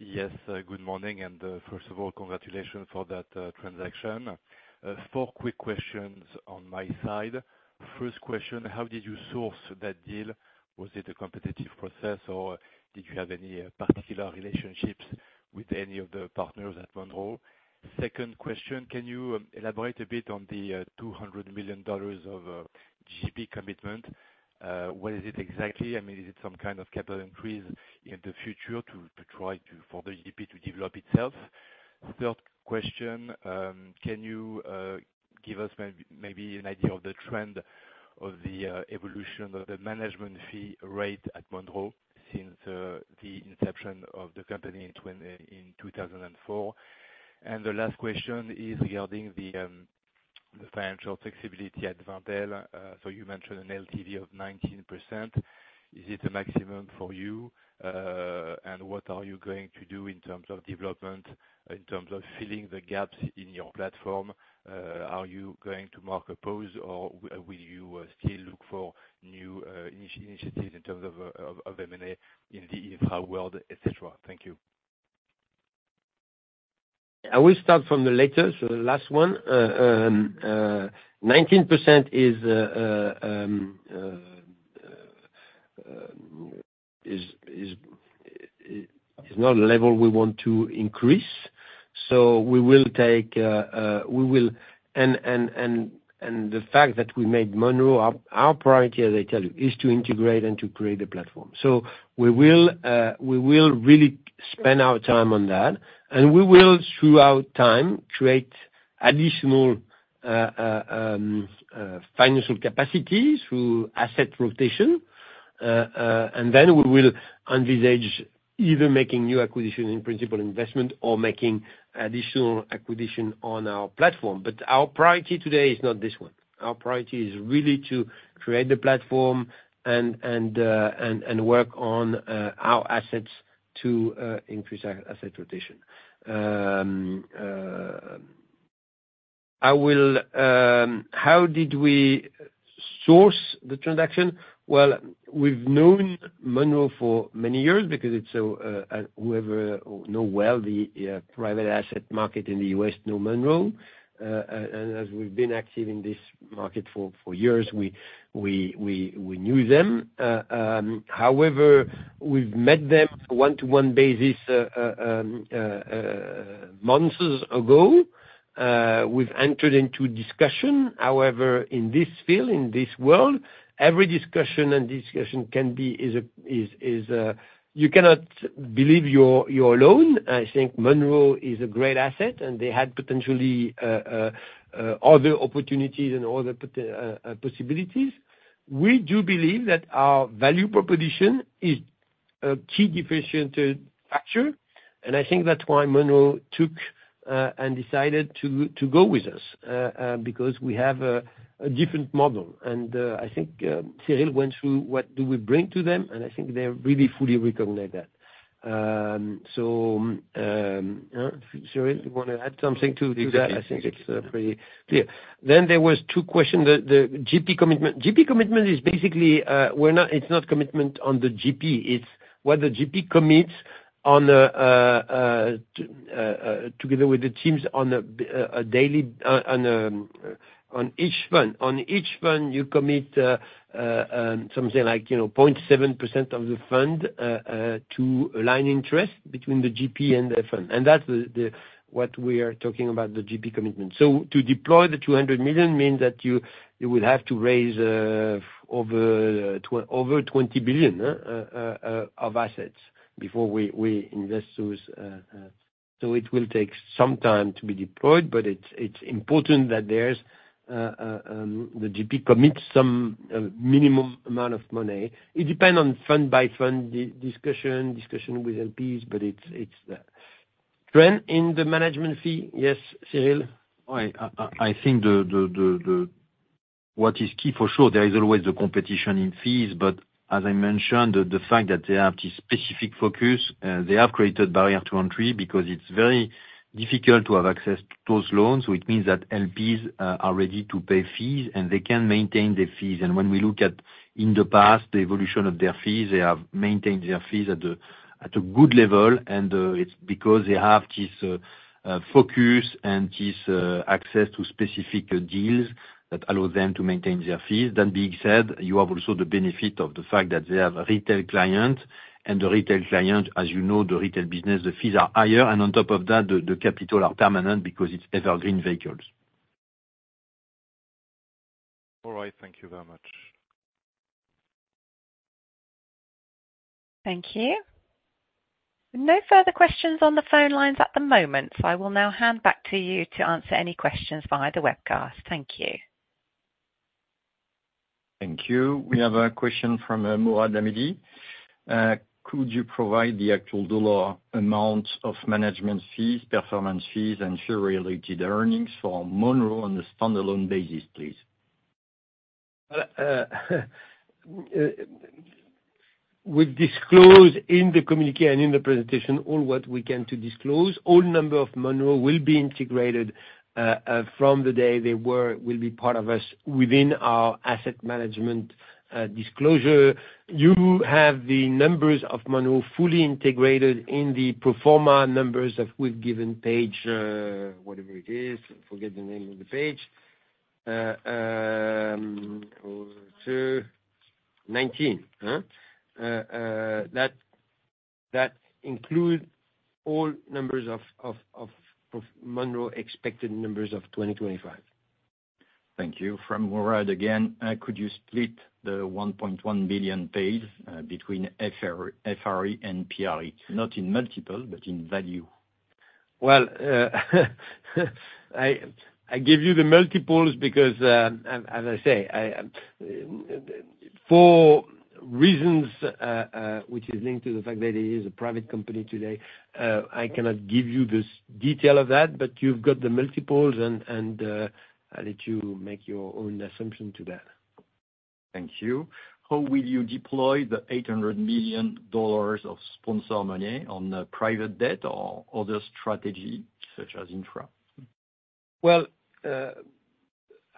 Yes. Good morning. And first of all, congratulations for that transaction. Four quick questions on my side. First question, how did you source that deal? Was it a competitive process, or did you have any particular relationships with any of the partners at Monroe? Second question, can you elaborate a bit on the $200 million of GP commitment? What is it exactly? I mean, is it some kind of capital increase in the future to try for the GP to develop itself? Third question, can you give us maybe an idea of the trend of the evolution of the management fee rate at Monroe since the inception of the company in 2004? And the last question is regarding the financial flexibility at Wendel. So you mentioned an LTV of 19%. Is it a maximum for you? And what are you going to do in terms of development, in terms of filling the gaps in your platform? Are you going to make a pause, or will you still look for new initiatives in terms of M&A in the infra world, etc.? Thank you. I will start from the latest, the last one. 19% is not a level we want to increase. So we will take, and the fact that we made Monroe our priority, as I tell you, is to integrate and to create a platform. So we will really spend our time on that. And we will, throughout time, create additional financial capacity through asset rotation. And then we will envisage either making new acquisitions in principal investment or making additional acquisitions on our platform. But our priority today is not this one. Our priority is really to create the platform and work on our assets to increase our asset rotation. How did we source the transaction? Well, we've known Monroe for many years because whoever knows well the private asset market in the U.S. knows Monroe. And as we've been active in this market for years, we knew them. However, we've met them on a one-to-one basis months ago. We've entered into discussion. However, in this field, in this world, every discussion can be. You cannot believe you're alone. I think Monroe is a great asset, and they had potentially other opportunities and other possibilities. We do believe that our value proposition is a key differentiator factor. And I think that's why Monroe took and decided to go with us because we have a different model. And I think Cyril went through what do we bring to them, and I think they really fully recognize that. So, Cyril, do you want to add something to that? I think it's pretty clear. Then there were two questions. The GP commitment is basically. It's not commitment on the GP. It's what the GP commits together with the teams on a daily, on each fund. On each fund, you commit something like 0.7% of the fund to align interest between the GP and the fund. And that's what we are talking about, the GP commitment. To deploy the 200 million means that you will have to raise over 20 billion of assets before we invest those. It will take some time to be deployed, but it's important that the GP commits some minimum amount of money. It depends on fund-by-fund discussion, discussion with LPs, but it's the trend in the management fee. Yes, Cyril? I think what is key, for sure, there is always the competition in fees. But as I mentioned, the fact that they have this specific focus, they have created barrier to entry because it's very difficult to have access to those loans. It means that LPs are ready to pay fees, and they can maintain the fees. When we look at, in the past, the evolution of their fees, they have maintained their fees at a good level. And it's because they have this focus and this access to specific deals that allow them to maintain their fees. That being said, you have also the benefit of the fact that they have retail clients. And the retail client, as you know, the retail business, the fees are higher. And on top of that, the capital are permanent because it's evergreen vehicles. All right. Thank you very much. Thank you. No further questions on the phone lines at the moment. So I will now hand back to you to answer any questions via the webcast. Thank you. Thank you. We have a question from Mourad Lahmidi. Could you provide the actual dollar amount of management fees, performance fees, and fee-related earnings for Monroe on a standalone basis, please? We've disclosed in the communication and in the presentation all what we can to disclose. All numbers of Monroe will be integrated from the day they will be part of us within our asset management disclosure. You have the numbers of Monroe fully integrated in the proforma numbers that we've given page, whatever it is, forget the name of the page, 19. That includes all numbers of Monroe expected numbers of 2025. Thank you. From Mourad again, could you split the $1.1 billion paid between FRE and PRE? Not in multiple, but in value. Well, I give you the multiples because, as I say, for reasons which are linked to the fact that it is a private company today, I cannot give you the detail of that. But you've got the multiples, and I let you make your own assumption to that. Thank you. How will you deploy the $800 million of sponsor money on private debt or other strategies such as infra? I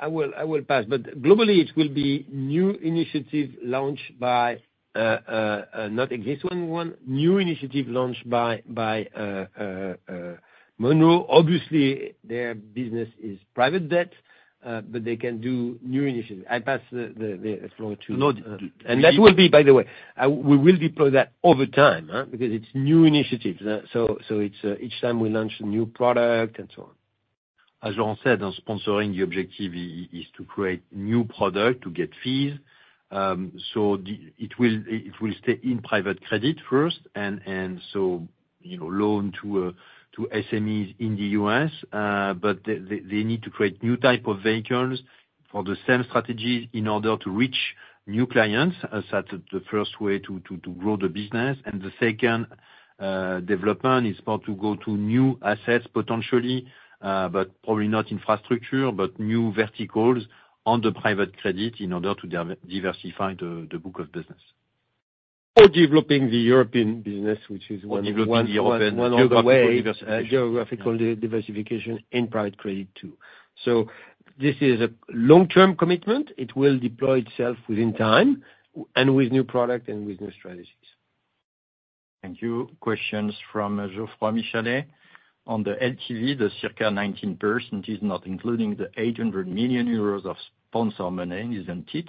will pass. Globally, it will be new initiatives launched by not existing ones, new initiatives launched by Monroe. Obviously, their business is private debt, but they can do new initiatives. I pass the floor to—and that will be, by the way, we will deploy that over time because it's new initiatives. Each time we launch a new product and so on. As Laurent said, sponsoring, the objective is to create new products to get fees. It will stay in private credit first and so loan to SMEs in the US. They need to create new types of vehicles for the same strategies in order to reach new clients. That's the first way to grow the business. The second development is to go to new assets potentially, but probably not infrastructure, but new verticals on the private credit in order to diversify the book of business. Or developing the European business, which is one of the ways, developing the European geographical diversification in private credit too. So this is a long-term commitment. It will deploy itself within time and with new products and with new strategies. Thank you. Questions from Geoffroy Michalet on the LTV. The circa 19% is not including the € 800 million of sponsor money. Isn't it?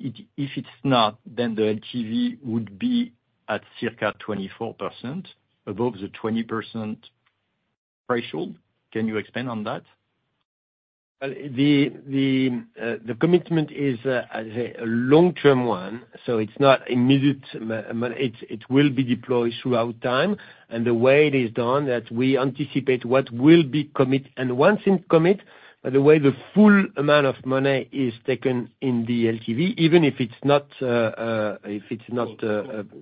If it's not, then the LTV would be at circa 24% above the 20% threshold. Can you expand on that? The commitment is a long-term one. So it's not immediate. It will be deployed throughout time. And the way it is done is that we anticipate what will be commit. Once it's committed, by the way, the full amount of money is taken in the LTV, even if it's not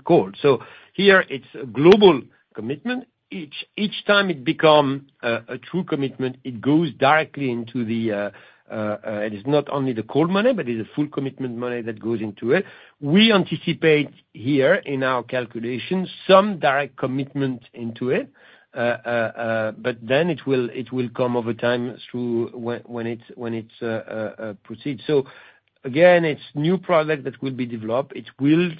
called. So here, it's a global commitment. Each time it becomes a true commitment, it goes directly into the—and it's not only the called money, but it's the full commitment money that goes into it. We anticipate here in our calculations some direct commitment into it. But then it will come over time when it proceeds. So again, it's new products that will be developed. It will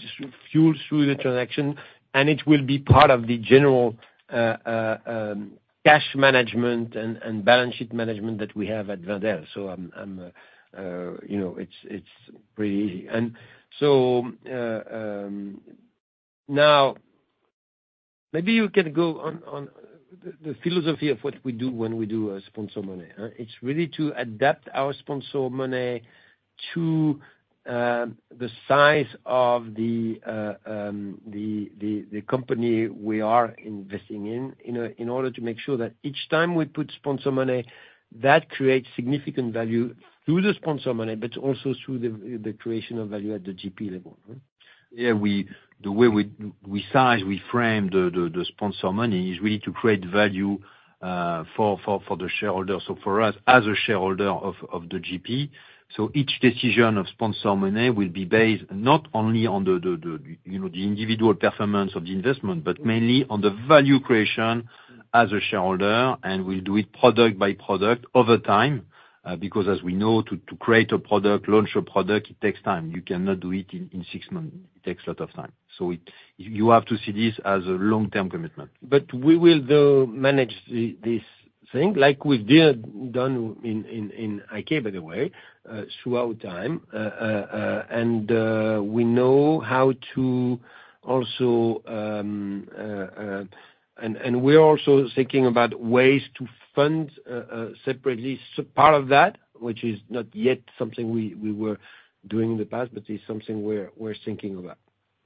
flow through the transaction, and it will be part of the general cash management and balance sheet management that we have at Wendel. So it's pretty easy. And so now, maybe you can go on the philosophy of what we do when we do sponsor money. It's really to adapt our sponsor money to the size of the company we are investing in in order to make sure that each time we put sponsor money, that creates significant value through the sponsor money, but also through the creation of value at the GP level. Yeah. The way we size, we frame the sponsor money is really to create value for the shareholders. So for us, as a shareholder of the GP, each decision of sponsor money will be based not only on the individual performance of the investment, but mainly on the value creation as a shareholder. And we'll do it product by product over time because, as we know, to create a product, launch a product, it takes time. You cannot do it in six months. It takes a lot of time. So you have to see this as a long-term commitment. But we will manage this thing like we've done in IK, by the way, throughout time. And we know how to also—and we're also thinking about ways to fund separately. So part of that, which is not yet something we were doing in the past, but it's something we're thinking about.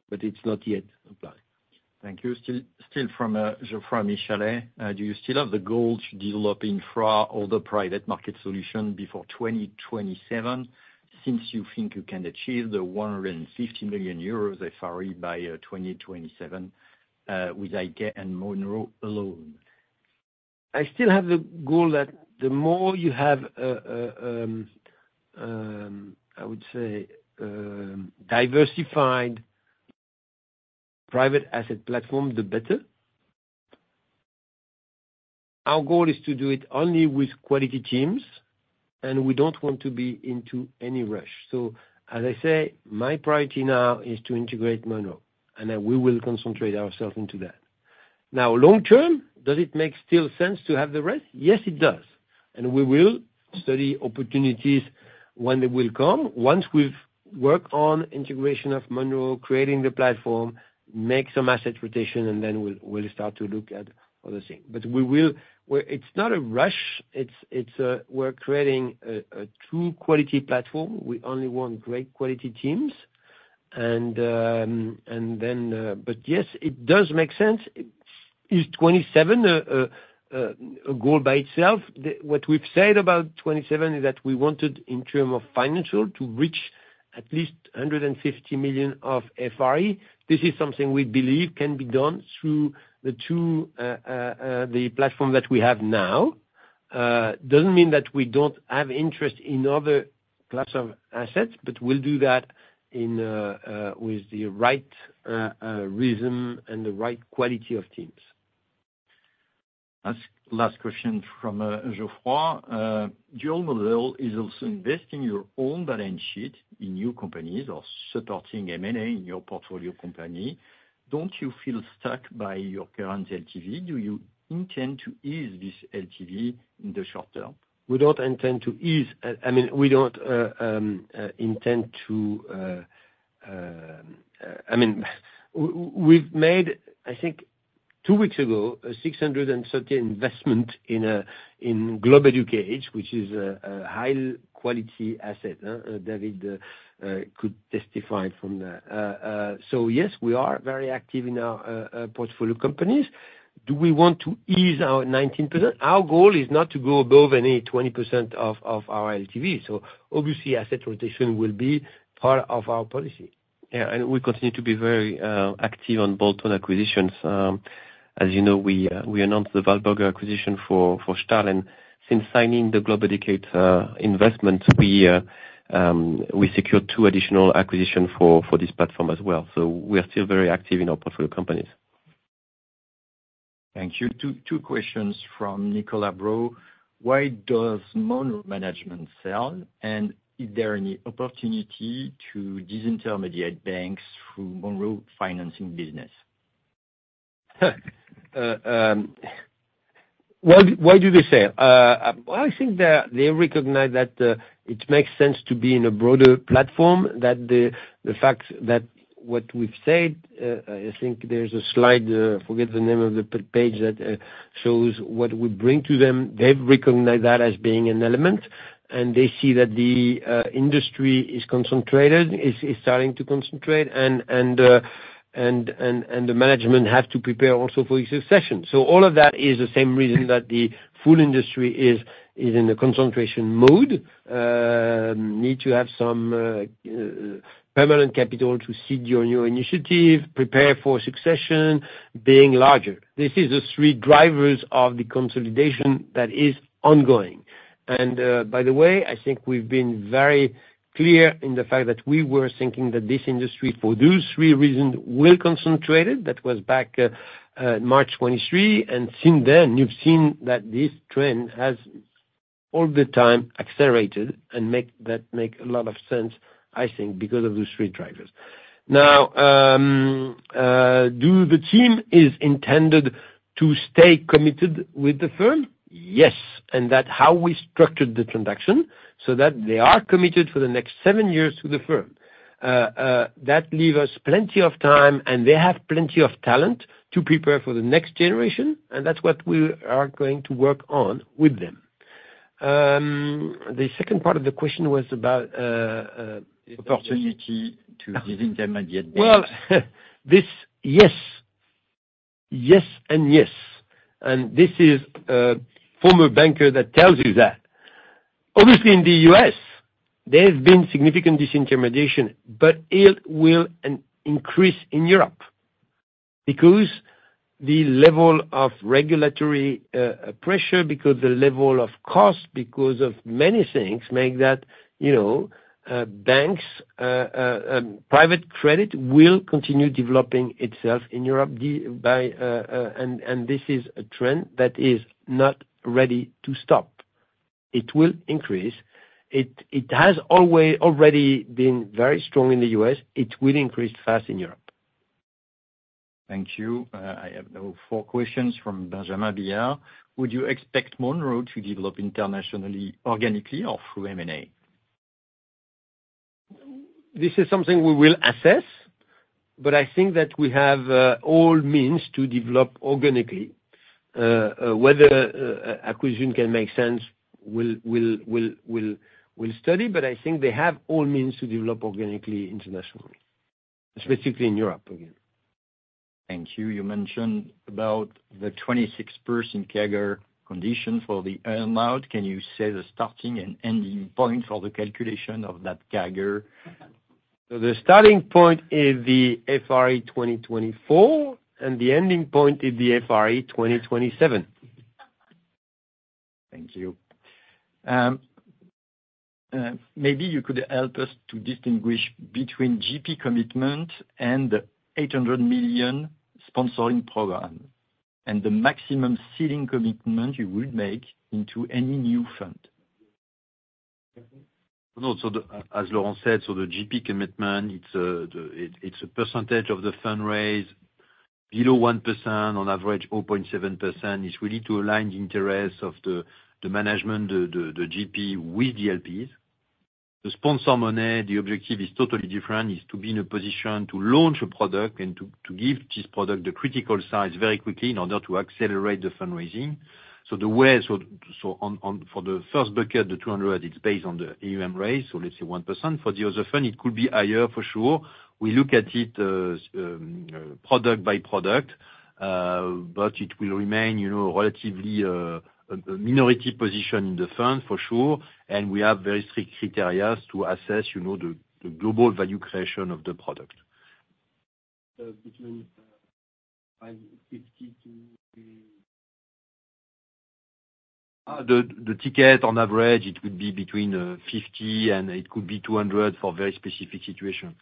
But it's not yet applied. Thank you. Still from Geoffroy Michalet, do you still have the goal to develop infra or the private market solution before 2027 since you think you can achieve the €150 million FRE by 2027 with IK and Monroe alone? I still have the goal that the more you have, I would say, diversified private asset platform, the better. Our goal is to do it only with quality teams, and we don't want to be into any rush. So, as I say, my priority now is to integrate Monroe, and we will concentrate ourselves into that. Now, long-term, does it make still sense to have the rest? Yes, it does. And we will study opportunities when they will come. Once we've worked on integration of Monroe, creating the platform, make some asset rotation, and then we'll start to look at other things. But it's not a rush. We're creating a true quality platform. We only want great quality teams. But yes, it does make sense. Is 27 a goal by itself? What we've said about 27 is that we wanted, in terms of financial, to reach at least 150 million of FRE. This is something we believe can be done through the platform that we have now. It doesn't mean that we don't have interest in other class of assets, but we'll do that with the right reason and the right quality of teams. Last question from Geoffroy. Your model is also investing your own balance sheet in new companies or supporting M&A in your portfolio company. Don't you feel stuck by your current LTV? Do you intend to ease this LTV in the short term? We don't intend to ease. I mean, we don't intend to. I mean, we've made, I think, two weeks ago, a 630 million investment in Globe Educate, which is a high-quality asset. David could testify from that. So yes, we are very active in our portfolio companies. Do we want to ease our 19%? Our goal is not to go above any 20% of our LTV. So obviously, asset rotation will be part of our policy. Yeah. We continue to be very active on bolt-on acquisitions. As you know, we announced the Weilburger acquisition for Stahl. And since signing the Globe Educate investment, we secured two additional acquisitions for this platform as well. So we are still very active in our portfolio companies. Thank you. Two questions from Nicolas Broutin. Why does Monroe management sell? And is there any opportunity to disintermediate banks through Monroe financing business? Why do they sell? Well, I think they recognize that it makes sense to be in a broader platform. The fact that what we've said, I think there's a slide. I forget the name of the page that shows what we bring to them. They've recognized that as being an element. And they see that the industry is concentrated, is starting to concentrate. And the management has to prepare also for succession. So all of that is the same reason that the full industry is in the concentration mode, need to have some permanent capital to seed your new initiative, prepare for succession, being larger. This is the three drivers of the consolidation that is ongoing. By the way, I think we've been very clear in the fact that we were thinking that this industry, for those three reasons, will concentrate. That was back in March 2023. And since then, you've seen that this trend has all the time accelerated. And that makes a lot of sense, I think, because of those three drivers. Now, does the team intend to stay committed to the firm? Yes. And that's how we structured the transaction so that they are committed for the next seven years to the firm. That leaves us plenty of time, and they have plenty of talent to prepare for the next generation, and that's what we are going to work on with them. The second part of the question was about opportunity to disintermediate banks. Well, yes. Yes and yes, and this is a former banker that tells you that. Obviously, in the U.S., there has been significant disintermediation, but it will increase in Europe because the level of regulatory pressure, because the level of cost, because of many things make that banks, private credit will continue developing itself in Europe. And this is a trend that is not ready to stop. It will increase. It has already been very strong in the U.S. It will increase fast in Europe. Thank you. I have now four questions from Benjamin Billiard. Would you expect Monroe to develop internationally organically or through M&A? This is something we will assess. But I think that we have all means to develop organically. Whether acquisition can make sense, we'll study. But I think they have all means to develop organically internationally, specifically in Europe again. Thank you. You mentioned about the 26% CAGR condition for the earnout. Can you say the starting and ending point for the calculation of that CAGR? The starting point is the FRE 2024, and the ending point is the FRE 2027. Thank you. Maybe you could help us to distinguish between GP commitment and the 800 million sponsoring program and the maximum ceiling commitment you would make into any new fund. No, so as Laurent said, so the GP commitment, it's a percentage of the fund raise, below 1%, on average, 0.7%. It's really to align the interests of the management, the GP, with the LPs. The sponsor money, the objective is totally different. It's to be in a position to launch a product and to give this product the critical size very quickly in order to accelerate the fundraising. So for the first bucket, the €200, it's based on the AUM raise, so let's say 1%. For the other fund, it could be higher for sure. We look at it product by product, but it will remain a relatively minority position in the fund for sure. And we have very strict criteria to assess the global value creation of the product. The ticket, on average, it would be between 50 and it could be 200 for very specific situations.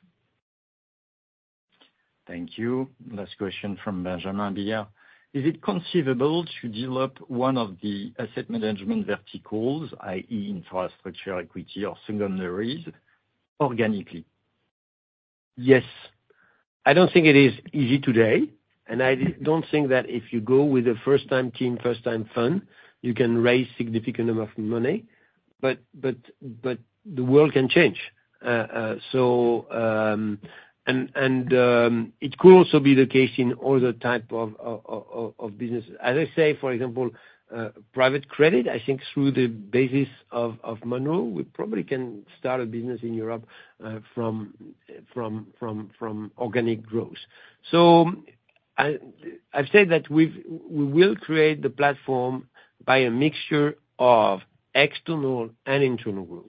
Thank you. Last question from Benjamin Billiard. Is it conceivable to develop one of the asset management verticals, i.e., infrastructure, equity, or secondaries, organically? Yes. I don't think it is easy today. And I don't think that if you go with a first-time team, first-time fund, you can raise a significant amount of money. But the world can change. And it could also be the case in other types of businesses. As I say, for example, private credit, I think through the basis of Monroe, we probably can start a business in Europe from organic growth. So I've said that we will create the platform by a mixture of external and internal growth.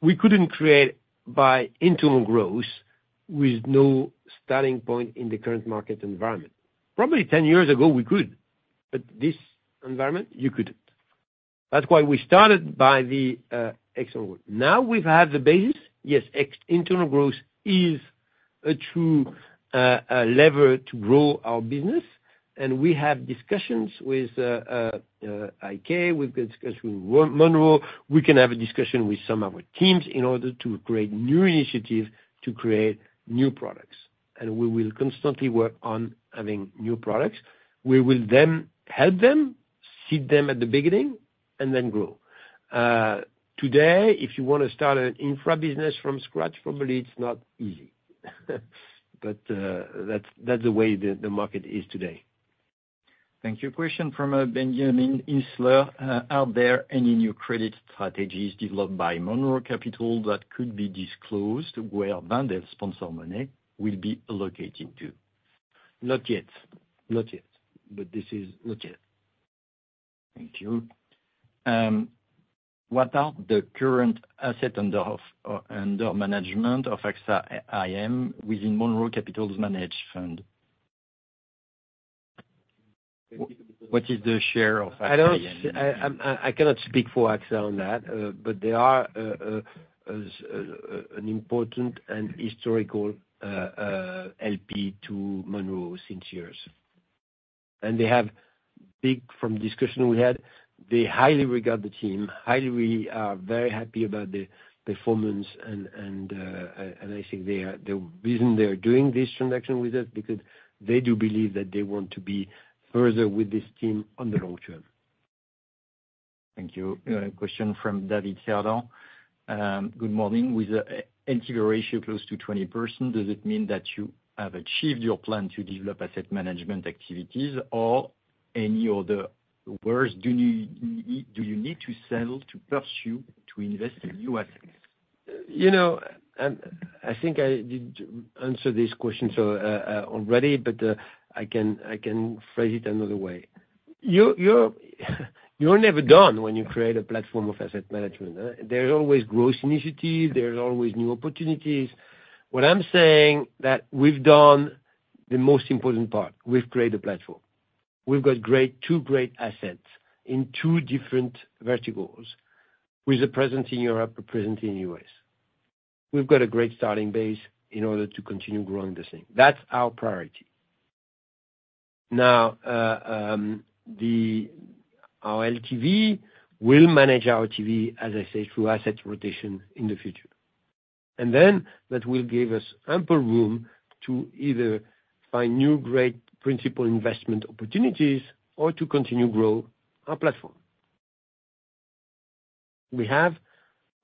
We couldn't create by internal growth with no starting point in the current market environment. Probably 10 years ago, we could. But this environment, you couldn't. That's why we started by the external growth. Now we've had the basis. Yes, external growth is a true lever to grow our business. And we have discussions with IK, we've discussed with Monroe. We can have a discussion with some of our teams in order to create new initiatives to create new products. And we will constantly work on having new products. We will then help them, seed them at the beginning, and then grow. Today, if you want to start an infra business from scratch, probably it's not easy. But that's the way the market is today. Thank you. Question from Benjamin Isler. Are there any new credit strategies developed by Monroe Capital that could be disclosed where Wendel sponsor money will be allocated to? Not yet. Not yet. But this is not yet. Thank you. What are the current asset under management of AXA IM within Monroe Capital's managed fund? What is the share of AXA IM? I cannot speak for AXA on that, but they are an important and historical LP to Monroe since years. And the feedback from the discussion we had, they highly regard the team. They are very happy about the performance. And I think the reason they're doing this transaction with us is because they do believe that they want to be further with this team on the long term. Thank you. Question from David Cerdan. Good morning. With a NAV ratio close to 20%, does it mean that you have achieved your plan to develop asset management activities or in other words? Do you need to sell assets to pursue, to invest in new assets? I think I did answer this question already, but I can phrase it another way. You're never done when you create a platform of asset management. There's always growth initiatives. There's always new opportunities. What I'm saying is that we've done the most important part. We've created a platform. We've got two great assets in two different verticals with a presence in Europe, a presence in the U.S. We've got a great starting base in order to continue growing this thing. That's our priority. Now, our LTV will manage our LTV, as I say, through asset rotation in the future. And then that will give us ample room to either find new great principal investment opportunities or to continue to grow our platform. We have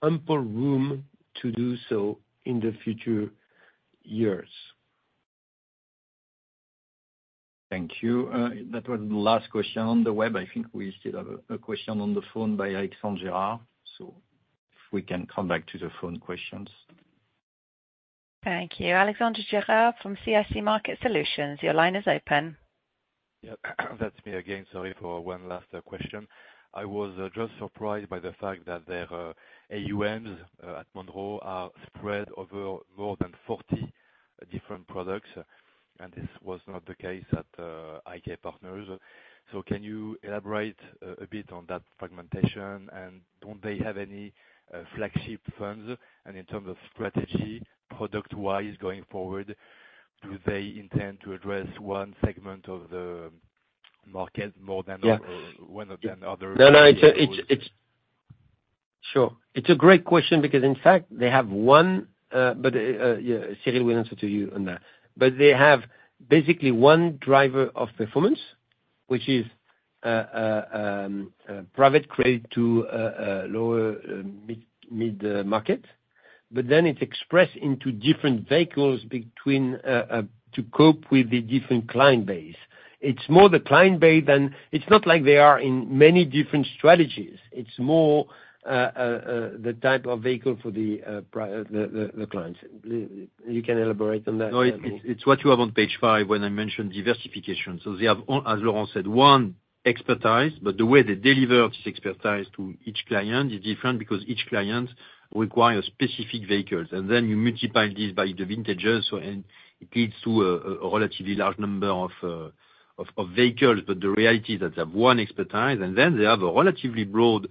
ample room to do so in the future years. Thank you. That was the last question on the web. I think we still have a question on the phone by Alexandre Gérard. So if we can come back to the phone questions. Thank you. Alexandre Gérard from CIC Market Solutions. Your line is open. Yep. That's me again. Sorry for one last question. I was just surprised by the fact that their AUMs at Monroe are spread over more than 40 different products. And this was not the case at IK Partners. So can you elaborate a bit on that fragmentation? And don't they have any flagship funds? And in terms of strategy, product-wise going forward, do they intend to address one segment of the market more than one of the other? No, no. Sure. It's a great question because, in fact, they have one, but Cyril will answer to you on that. But they have basically one driver of performance, which is private credit to lower mid-market. But then it's expressed into different vehicles to cope with the different client base. It's more the client base than it's not like they are in many different strategies. It's more the type of vehicle for the clients. You can elaborate on that. No, it's what you have on page five when I mentioned diversification. So they have, as Laurent said, one expertise, but the way they deliver this expertise to each client is different because each client requires specific vehicles, and then you multiply this by the vintages, and it leads to a relatively large number of vehicles. But the reality is that they have one expertise, and then they have a relatively broad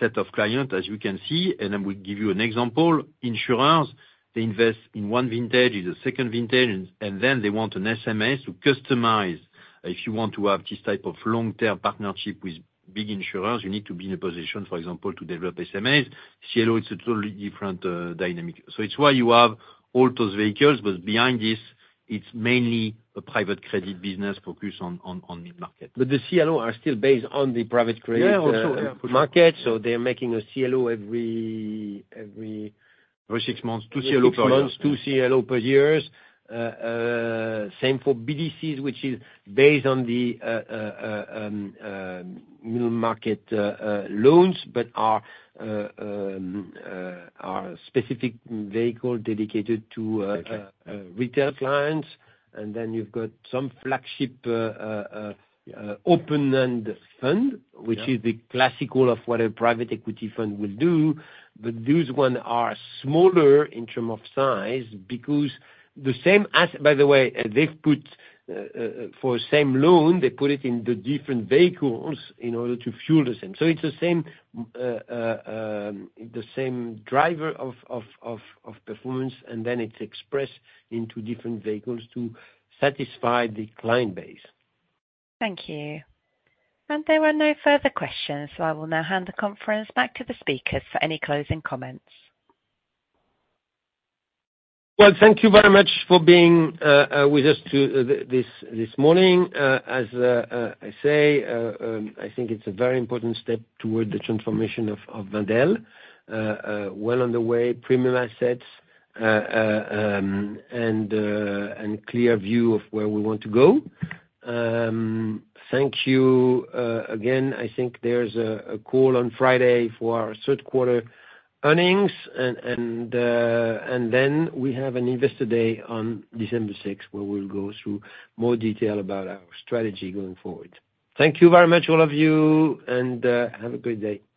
set of clients, as you can see. And I will give you an example. Insurance, they invest in one vintage, in the second vintage, and then they want an SMA to customize. If you want to have this type of long-term partnership with big insurers, you need to be in a position, for example, to develop SMAs. CLO, it's a totally different dynamic, so it's why you have all those vehicles. But behind this, it's mainly a private credit business focused on mid-market. But the CLO are still based on the private credit market. So they're making a CLO every six months, two CLO per year. Same for BDCs, which is based on the middle market loans but are specific vehicles dedicated to retail clients. And then you've got some flagship open-end fund, which is the classical of what a private equity fund will do. But those ones are smaller in terms of size because the same as, by the way, they've put for the same loan, they put it in the different vehicles in order to fuel the same. So it's the same driver of performance. And then it's expressed into different vehicles to satisfy the client base. Thank you. And there were no further questions. I will now hand the conference back to the speakers for any closing comments. Thank you very much for being with us this morning. As I say, I think it's a very important step toward the transformation of Wendel, well on the way, premium assets, and a clear view of where we want to go. Thank you again. I think there's a call on Friday for our third-quarter earnings, and then we have an Investor Day on December 6th where we'll go through more detail about our strategy going forward. Thank you very much, all of you, and have a great day.